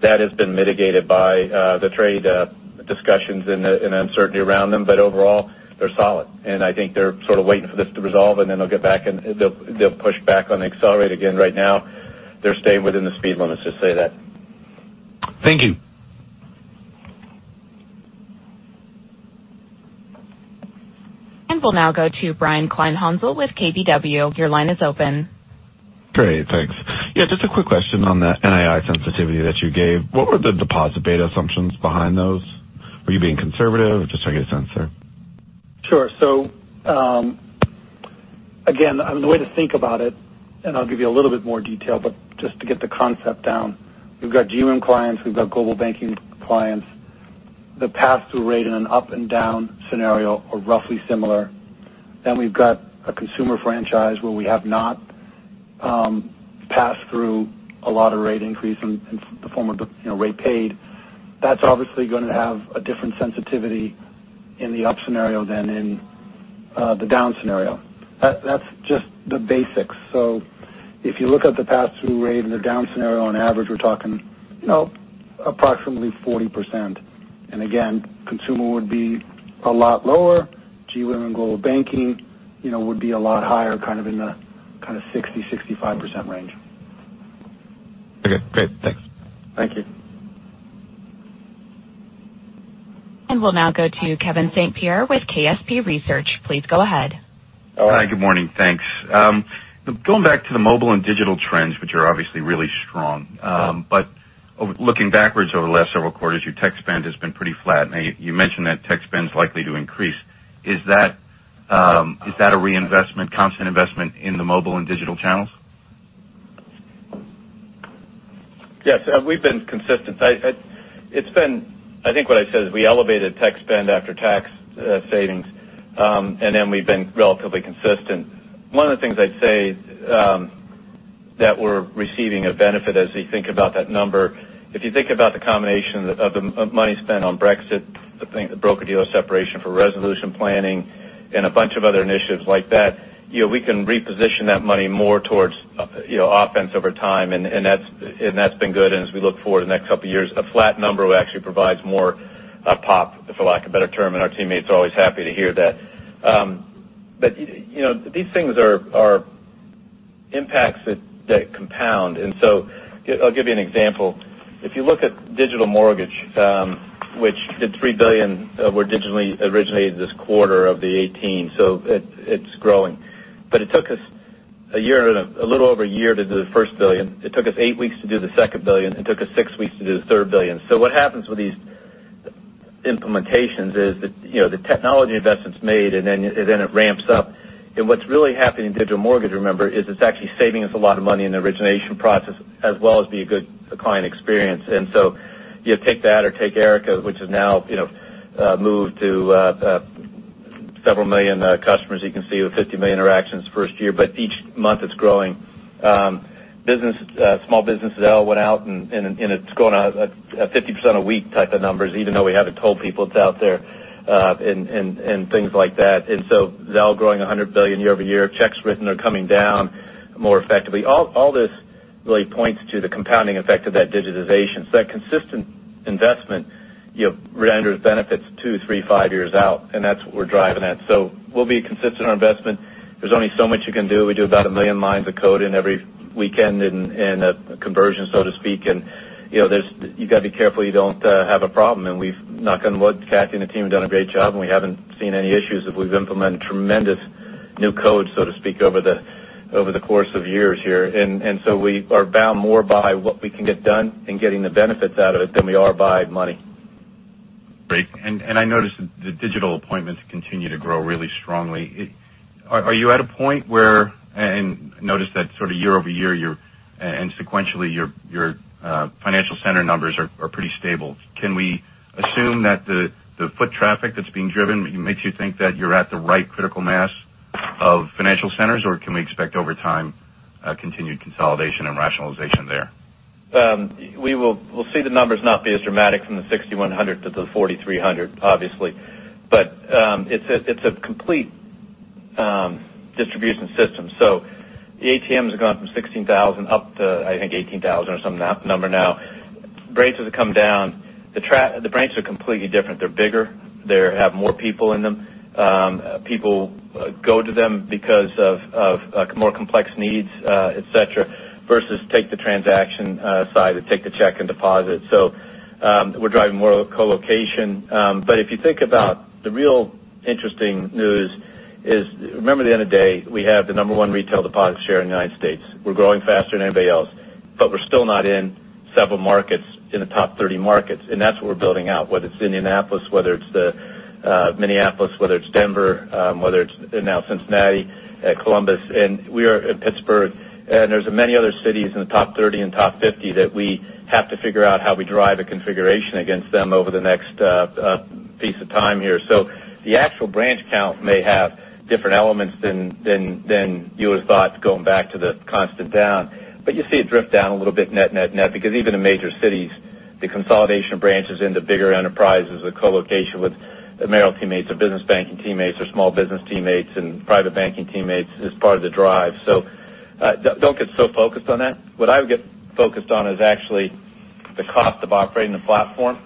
That has been mitigated by the trade discussions and the uncertainty around them. Overall, they're solid, I think they're sort of waiting for this to resolve, they'll get back and they'll push back on the accelerate again. Right now, they're staying within the speed limits, just say that. Thank you. We'll now go to Brian Kleinhanzl with KBW. Your line is open. Great. Thanks. Yeah, just a quick question on the NII sensitivity that you gave. What were the deposit beta assumptions behind those? Were you being conservative? Just so I get a sense there. Sure. Again, the way to think about it, and I'll give you a little bit more detail, but just to get the concept down. We've got GM clients, we've got Global Banking clients. The pass-through rate in an up and down scenario are roughly similar. We've got a Consumer franchise where we have not passed through a lot of rate increase in the form of rate paid. That's obviously going to have a different sensitivity in the up scenario than in the down scenario. That's just the basics. If you look at the pass-through rate in the down scenario, on average, we're talking approximately 40%. Again, Consumer would be a lot lower. GM and Global Banking would be a lot higher, kind of in the 60%-65% range. Okay, great. Thanks. Thank you. We'll now go to Kevin St. Pierre with KSP Research. Please go ahead. Hi, good morning. Thanks. Going back to the mobile and digital trends, which are obviously really strong. Looking backwards over the last several quarters, your tech spend has been pretty flat. You mentioned that tech spend is likely to increase. Is that a reinvestment, constant investment in the mobile and digital channels? Yes. We've been consistent. I think what I said is we elevated tech spend after-tax savings, we've been relatively consistent. One of the things I'd say that we're receiving a benefit as we think about that number. If you think about the combination of money spent on Brexit, the broker-dealer separation for resolution planning, and a bunch of other initiatives like that, we can reposition that money more towards offense over time. That's been good. As we look forward the next couple of years, a flat number will actually provides more pop, for lack of a better term, and our teammates are always happy to hear that. These things are impacts that compound. I'll give you an example. If you look at Digital Mortgage which did $3 billion were digitally originated this quarter of 2018. It's growing. It took us a little over a year to do the first billion. It took us eight weeks to do the second billion. It took us six weeks to do the third billion. What happens with these implementations is the technology investment's made, then it ramps up. What's really happening in Digital Mortgage, remember, is it's actually saving us a lot of money in the origination process as well as be a good client experience. You take that or take Erica, which has now moved to several million customers. You can see with 50 million interactions first year, each month it's growing. Small businesses Zelle went out, it's going at 50% a week type of numbers, even though we haven't told people it's out there, and things like that. Zelle growing $100 billion year-over-year. Checks written are coming down more effectively. All this really points to the compounding effect of that digitization. That consistent investment renders benefits two, three, five years out, and that's what we're driving at. We'll be consistent on investment. There's only so much you can do. We do about a million lines of code in every weekend in a conversion, so to speak. You got to be careful you don't have a problem. We've, knock on wood, Kathy and the team have done a great job, and we haven't seen any issues as we've implemented tremendous new code, so to speak, over the course of years here. We are bound more by what we can get done in getting the benefits out of it than we are by money. Great. I noticed the digital appointments continue to grow really strongly. Are you at a point and noticed that sort of year-over-year and sequentially your financial center numbers are pretty stable? Can we assume that the foot traffic that's being driven makes you think that you're at the right critical mass of financial centers, or can we expect over time, continued consolidation and rationalization there? We'll see the numbers not be as dramatic from the 6,100 to the 4,300, obviously. It's a complete distribution system. The ATMs have gone from 16,000 up to, I think, 18,000 or some number now. Branches have come down. The branches are completely different. They're bigger. They have more people in them. People go to them because of more complex needs, et cetera, versus take the transaction side or take the check and deposit. We're driving more co-location. If you think about the real interesting news is, remember, at the end of the day, we have the number one retail deposit share in the U.S. We're growing faster than anybody else, but we're still not in several markets in the top 30 markets, and that's what we're building out, whether it's Indianapolis, whether it's Minneapolis, whether it's Denver, whether it's now Cincinnati, Columbus, and Pittsburgh. There's many other cities in the top 30 and top 50 that we have to figure out how we drive a configuration against them over the next piece of time here. The actual branch count may have different elements than you would have thought going back to the constant down. You see it drift down a little bit net because even in major cities, the consolidation of branches into bigger enterprises, the co-location with the Merrill teammates or business banking teammates or small business teammates and private banking teammates is part of the drive. Don't get so focused on that. What I would get focused on is actually the cost of operating the platform.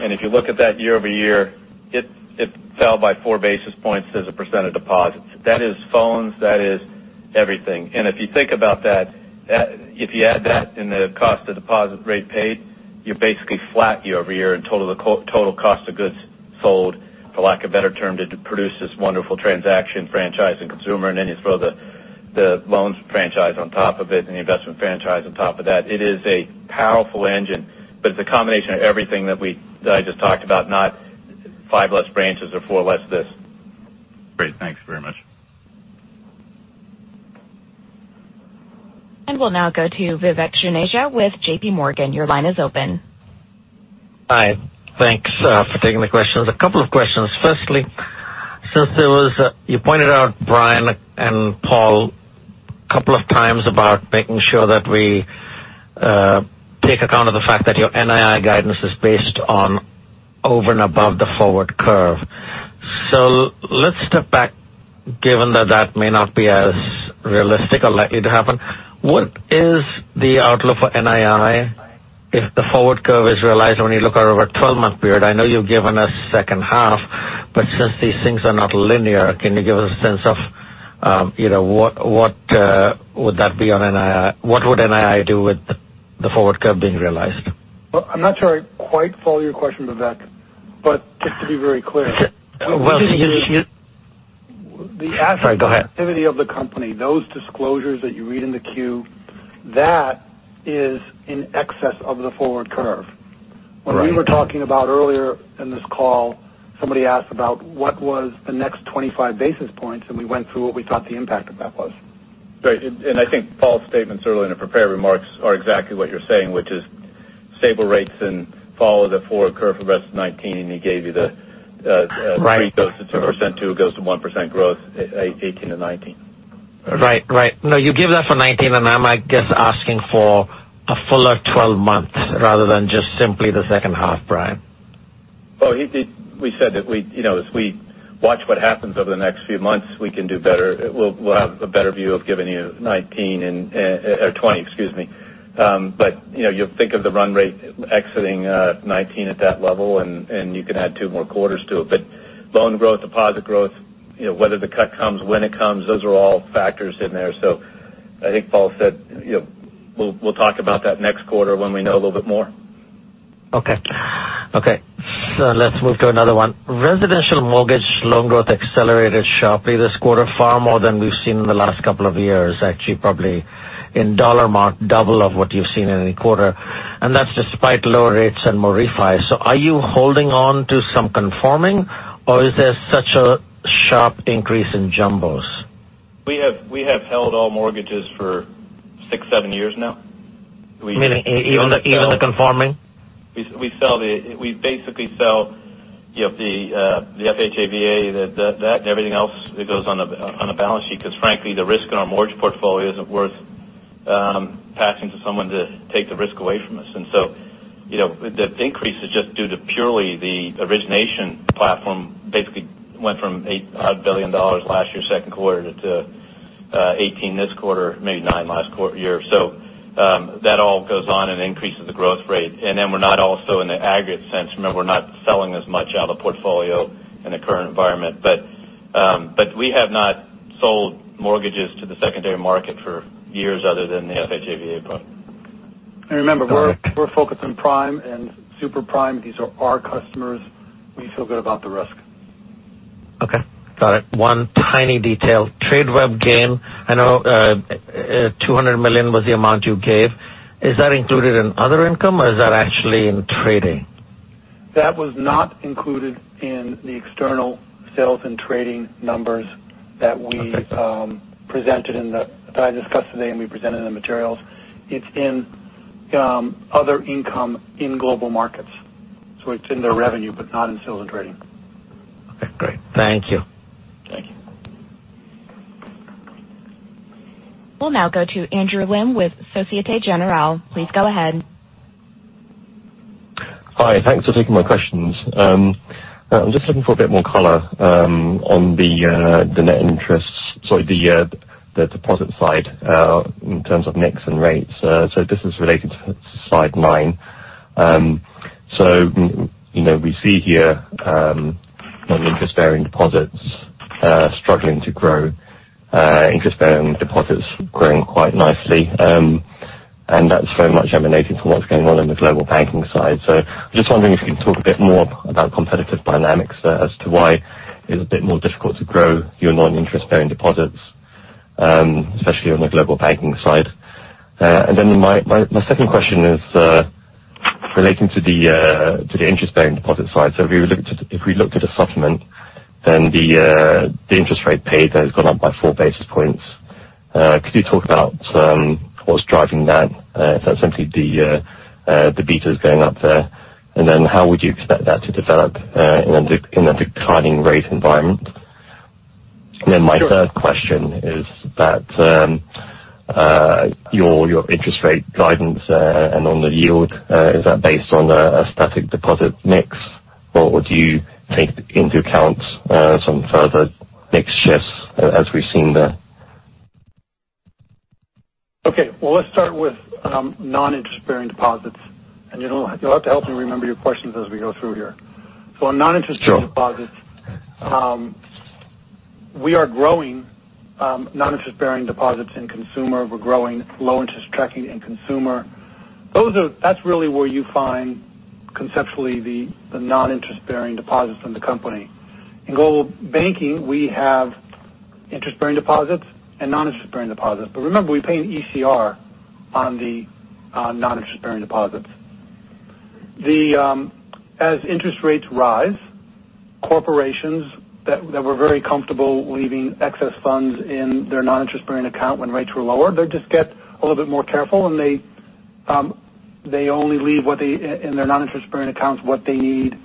If you look at that year-over-year, it fell by 4 basis points as a % of deposits. That is phones, that is everything. If you think about that, if you add that in the cost of deposit rate paid, you're basically flat year-over-year in total cost of goods sold, for lack of better term, to produce this wonderful transaction franchise and consumer. Then you throw the loans franchise on top of it and the investment franchise on top of that. It is a powerful engine, but it's a combination of everything that I just talked about, not 5 less branches or 4 less this. Great. Thanks very much. We'll now go to Vivek Juneja with JPMorgan. Your line is open. Hi. Thanks for taking the questions. A couple of questions. Firstly, since you pointed out, Brian and Paul, a couple of times about making sure that we take account of the fact that your NII guidance is based on over and above the forward curve. Let's step back, given that that may not be as realistic or likely to happen. What is the outlook for NII if the forward curve is realized when you look over a 12-month period? I know you've given us second half, but since these things are not linear, can you give us a sense of what would that be on NII? What would NII do with the forward curve being realized? Well, I'm not sure I quite follow your question, Vivek. Just to be very clear- Well, you- The asset- Sorry, go ahead activity of the company, those disclosures that you read in the Q, that is in excess of the forward curve. Right. What we were talking about earlier in this call, somebody asked about what was the next 25 basis points, and we went through what we thought the impact of that was. Great. I think Paul Donofrio's statements earlier in the prepared remarks are exactly what you're saying, which is stable rates and follow the forward curve for the rest of 2019, and he gave you the. Right three goes to two percent, two goes to one percent growth, 2018 to 2019. No, you give that for 2019, I'm, I guess, asking for a fuller 12 months rather than just simply the second half, Brian. We said that as we watch what happens over the next few months, we can do better. We'll have a better view of giving you 2019 or 2020, excuse me. You'll think of the run rate exiting 2019 at that level, and you can add two more quarters to it. Loan growth, deposit growth, whether the cut comes, when it comes, those are all factors in there. I think Paul said we'll talk about that next quarter when we know a little bit more. Okay. Let's move to another one. Residential mortgage loan growth accelerated sharply this quarter, far more than we've seen in the last couple of years. Actually, probably in dollar mark, double of what you've seen in any quarter. That's despite lower rates and more refi. Are you holding on to some conforming, or is there such a sharp increase in jumbos? We have held all mortgages for six, seven years now. Meaning even the conforming? We basically sell the FHA, VA, that and everything else that goes on a balance sheet. Because frankly, the risk in our mortgage portfolio isn't worth passing to someone to take the risk away from us. The increase is just due to purely the origination platform basically went from $8 billion last year, second quarter, to $18 billion this quarter, maybe $9 billion last year. That all goes on and increases the growth rate. We're not also in the aggregate sense. Remember, we're not selling as much out of portfolio in the current environment. We have not sold mortgages to the secondary market for years other than the FHA, VA product. Remember, we're focused on prime and super prime. These are our customers. We feel good about the risk. Okay, got it. One tiny detail. Tradeweb gain. I know $200 million was the amount you gave. Is that included in other income or is that actually in trading? That was not included in the external sales and trading numbers. Okay presented in the that I discussed today. We presented in the materials. It's in other income in Global Markets. It's in the revenue, but not in sales and trading. Okay, great. Thank you. Thank you. We'll now go to Andrew Lim with Societe Generale. Please go ahead. Hi. Thanks for taking my questions. I'm just looking for a bit more color on the net interest, sorry, the deposit side, in terms of mix and rates. This is related to slide nine. We see here non-interest-bearing deposits struggling to grow, interest-bearing deposits growing quite nicely. That's very much emanating from what's going on in the Global Banking side. I'm just wondering if you can talk a bit more about competitive dynamics as to why it's a bit more difficult to grow your non-interest-bearing deposits, especially on the Global Banking side. My second question is relating to the interest-bearing deposit side. If we look at a supplement, the interest rate paid has gone up by four basis points. Could you talk about what's driving that? Is that simply the betas going up there? How would you expect that to develop in a declining rate environment? My third question is that your interest rate guidance, and on the yield, is that based on a static deposit mix, or do you take into account some further mix shifts as we've seen there? Okay. Well, let's start with non-interest-bearing deposits. You'll have to help me remember your questions as we go through here. On non-interest-bearing deposits. Sure We are growing non-interest-bearing deposits in Consumer. We're growing low interest checking in Consumer. That's really where you find conceptually the non-interest-bearing deposits in the company. In Global Banking, we have interest-bearing deposits and non-interest-bearing deposits. Remember, we pay an ECR on the non-interest-bearing deposits. As interest rates rise, corporations that were very comfortable leaving excess funds in their non-interest-bearing account when rates were lower, they just get a little bit more careful, and they only leave in their non-interest-bearing accounts what they need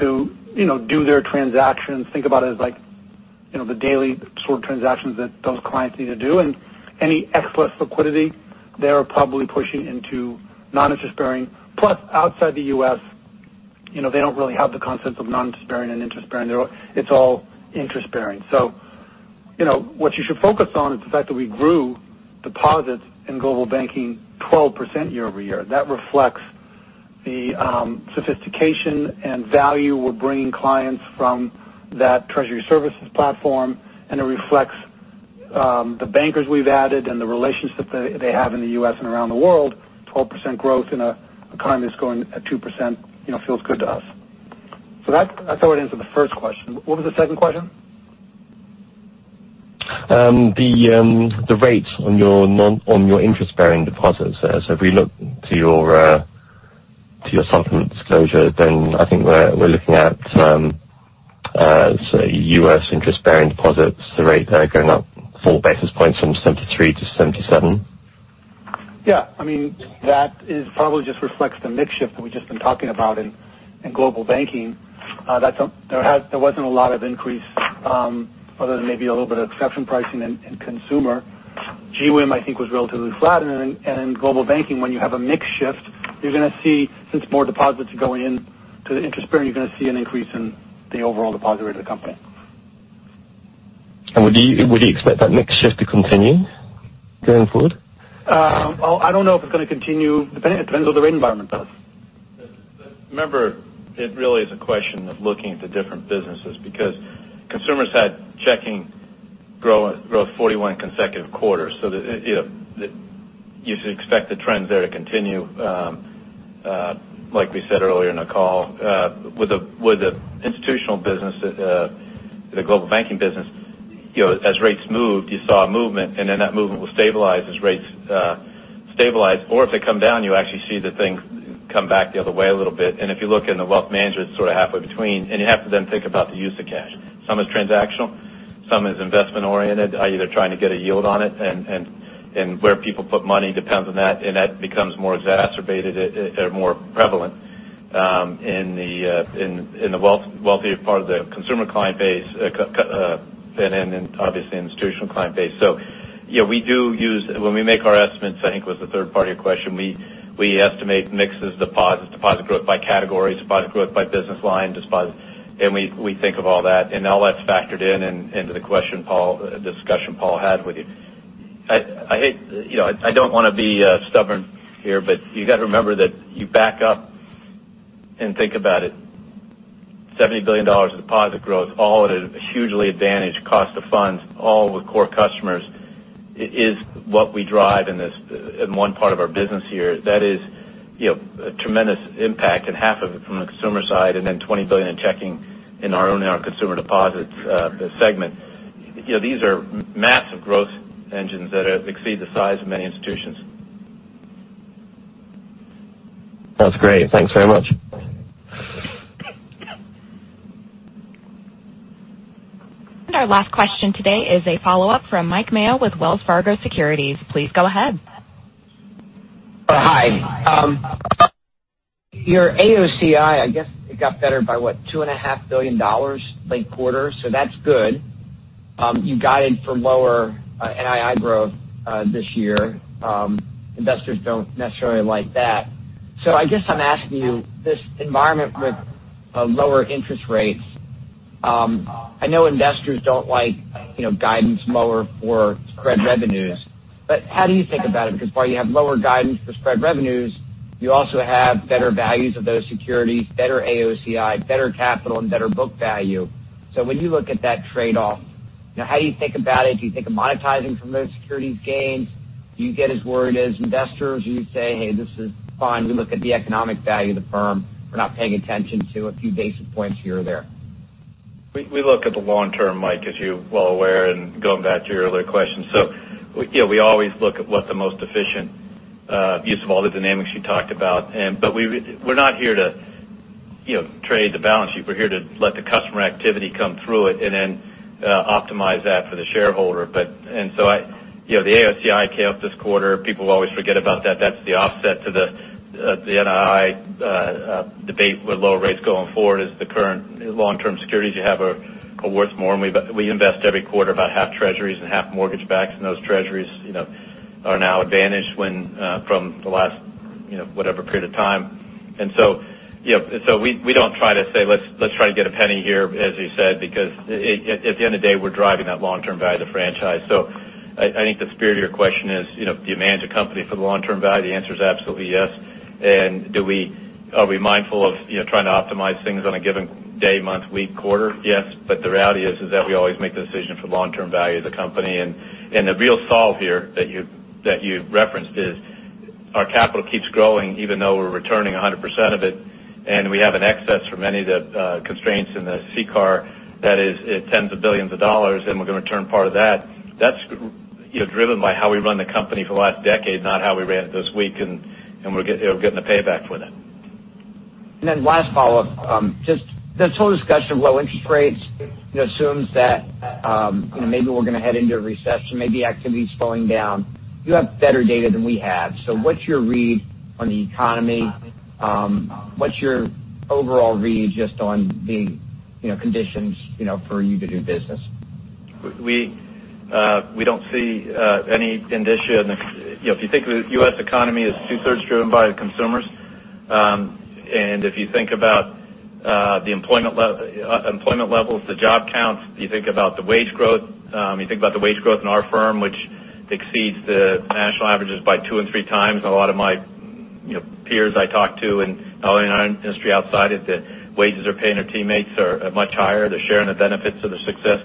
to do their transactions. Think about it as the daily sort of transactions that those clients need to do. Any excess liquidity, they are probably pushing into non-interest-bearing. Outside the U.S., they don't really have the concept of non-interest-bearing and interest-bearing. It's all interest-bearing. What you should focus on is the fact that we grew deposits in Global Banking 12% year-over-year. That reflects the sophistication and value we're bringing clients from that treasury services platform, and it reflects the bankers we've added and the relationships they have in the U.S. and around the world. 12% growth in an economy that's going at two percent feels good to us. That sort of answers the first question. What was the second question? The rates on your interest-bearing deposits. If we look to your supplement disclosure, I think we're looking at, let's say, U.S. interest-bearing deposits, the rate going up four basis points from 73 - 77. That probably just reflects the mix shift that we've just been talking about in Global Banking. There wasn't a lot of increase other than maybe a little bit of exception pricing in Consumer. GWIM, I think, was relatively flat. In Global Banking, when you have a mix shift, since more deposits are going into the interest-bearing, you're going to see an increase in the overall deposit rate of the company. Would you expect that mix shift to continue going forward? I don't know if it's going to continue. It depends what the rate environment does. Remember, it really is a question of looking at the different businesses because consumers had checking growth 41 consecutive quarters. You should expect the trends there to continue like we said earlier in the call. With the institutional business, the Global Banking business, as rates moved, you saw a movement, then that movement will stabilize as rates stabilize. If they come down, you actually see the things come back the other way a little bit. If you look in the wealth management, sort of halfway between. You have to then think about the use of cash. Some is transactional, some is investment-oriented, either trying to get a yield on it. Where people put money depends on that, and that becomes more exacerbated or more prevalent in the wealthier part of the consumer client base than in, obviously, institutional client base. When we make our estimates, I think it was the third part of your question, we estimate mixes deposits, deposit growth by category, deposit growth by business line. We think of all that. All that's factored in into the discussion Paul had with you. I don't want to be stubborn here, you got to remember that you back up and think about it. $70 billion of deposit growth, all at a hugely advantaged cost of funds, all with core customers, is what we drive in one part of our business here. That is a tremendous impact and half of it from the consumer side, then $20 billion in checking in our consumer deposits segment. These are massive growth engines that exceed the size of many institutions. That's great. Thanks very much. Our last question today is a follow-up from Mike Mayo with Wells Fargo Securities. Please go ahead. Hi. Your AOCI, I guess it got better by, what, $2.5 billion quarter. That's good. You guided for lower NII growth this year. Investors don't necessarily like that. I guess I'm asking you, this environment with lower interest rates, I know investors don't like guidance lower for spread revenues, but how do you think about it? While you have lower guidance for spread revenues, you also have better values of those securities, better AOCI, better capital, and better book value. When you look at that trade-off, how do you think about it? Do you think of monetizing from those securities gains? Do you get as worried as investors? Do you say, "Hey, this is fine. We look at the economic value of the firm. We're not paying attention to a few basis points here or there. We look at the long term, Mike, as you're well aware, going back to your earlier question. We always look at what the most efficient use of all the dynamics you talked about. We're not here to trade the balance sheet. We're here to let the customer activity come through it and then optimize that for the shareholder. The AOCI came up this quarter. People always forget about that. That's the offset to the NII debate with lower rates going forward as the current long-term securities you have are worth more. We invest every quarter about half treasuries and half mortgage backs. Those treasuries are now advantaged from the last whatever period of time. We don't try to say, "Let's try to get a penny here," as you said, because at the end of the day, we're driving that long-term value of the franchise. I think the spirit of your question is, do you manage a company for the long-term value? The answer is absolutely yes. Are we mindful of trying to optimize things on a given day, month, week, quarter? Yes. The reality is that we always make the decision for long-term value of the company. The real solve here that you referenced is our capital keeps growing even though we're returning 100% of it, and we have an excess from any of the constraints in the CCAR. That is tens of billions of dollars, and we're going to return part of that. That's driven by how we run the company for the last decade, not how we ran it this week. We're getting the payback for that. Last follow-up. Just this whole discussion of low interest rates assumes that maybe we're going to head into a recession, maybe activity's slowing down. You have better data than we have. What's your read on the economy? What's your overall read just on the conditions for you to do business? We don't see any indicia. If you think of the U.S. economy as two-thirds driven by the consumers, if you think about the employment levels, the job counts, you think about the wage growth, you think about the wage growth in our firm, which exceeds the national averages by 2x and 3x. A lot of my peers I talk to in our industry outside is that wages they're paying their teammates are much higher. They're sharing the benefits of the success.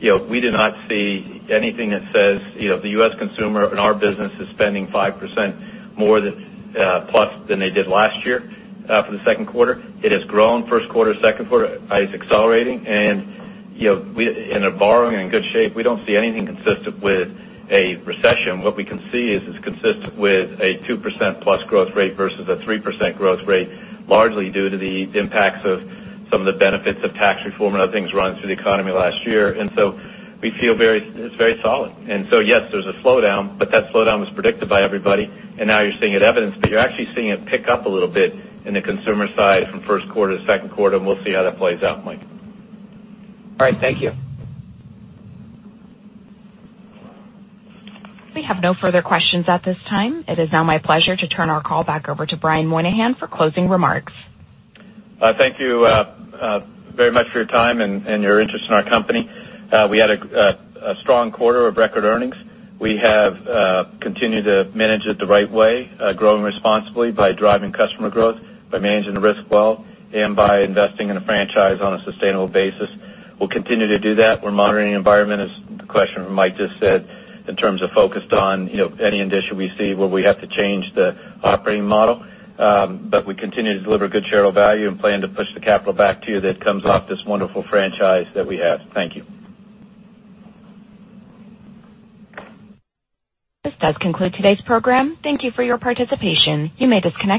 We do not see anything that says the U.S. consumer in our business is spending five percent more plus than they did last year for the Q2. It has grown first quarter. Second quarter is accelerating. In a borrowing in good shape, we don't see anything consistent with a recession. What we can see is it's consistent with a two percent+ growth rate versus a three percent growth rate, largely due to the impacts of some of the benefits of tax reform and other things running through the economy last year. We feel it's very solid. Yes, there's a slowdown, but that slowdown was predicted by everybody. Now you're seeing it evidenced, but you're actually seeing it pick up a little bit in the consumer side from Q1 to Q2, and we'll see how that plays out, Mike. All right. Thank you. We have no further questions at this time. It is now my pleasure to turn our call back over to Brian Moynihan for closing remarks. Thank you very much for your time and your interest in our company. We had a strong quarter of record earnings. We have continued to manage it the right way, growing responsibly by driving customer growth, by managing the risk well, and by investing in a franchise on a sustainable basis. We'll continue to do that. We're monitoring the environment, as the question from Mike just said, in terms of focused on any indicia we see where we have to change the operating model. We continue to deliver good shareholder value and plan to push the capital back to you that comes off this wonderful franchise that we have. Thank you. This does conclude today's program. Thank you for your participation. You may disconnect.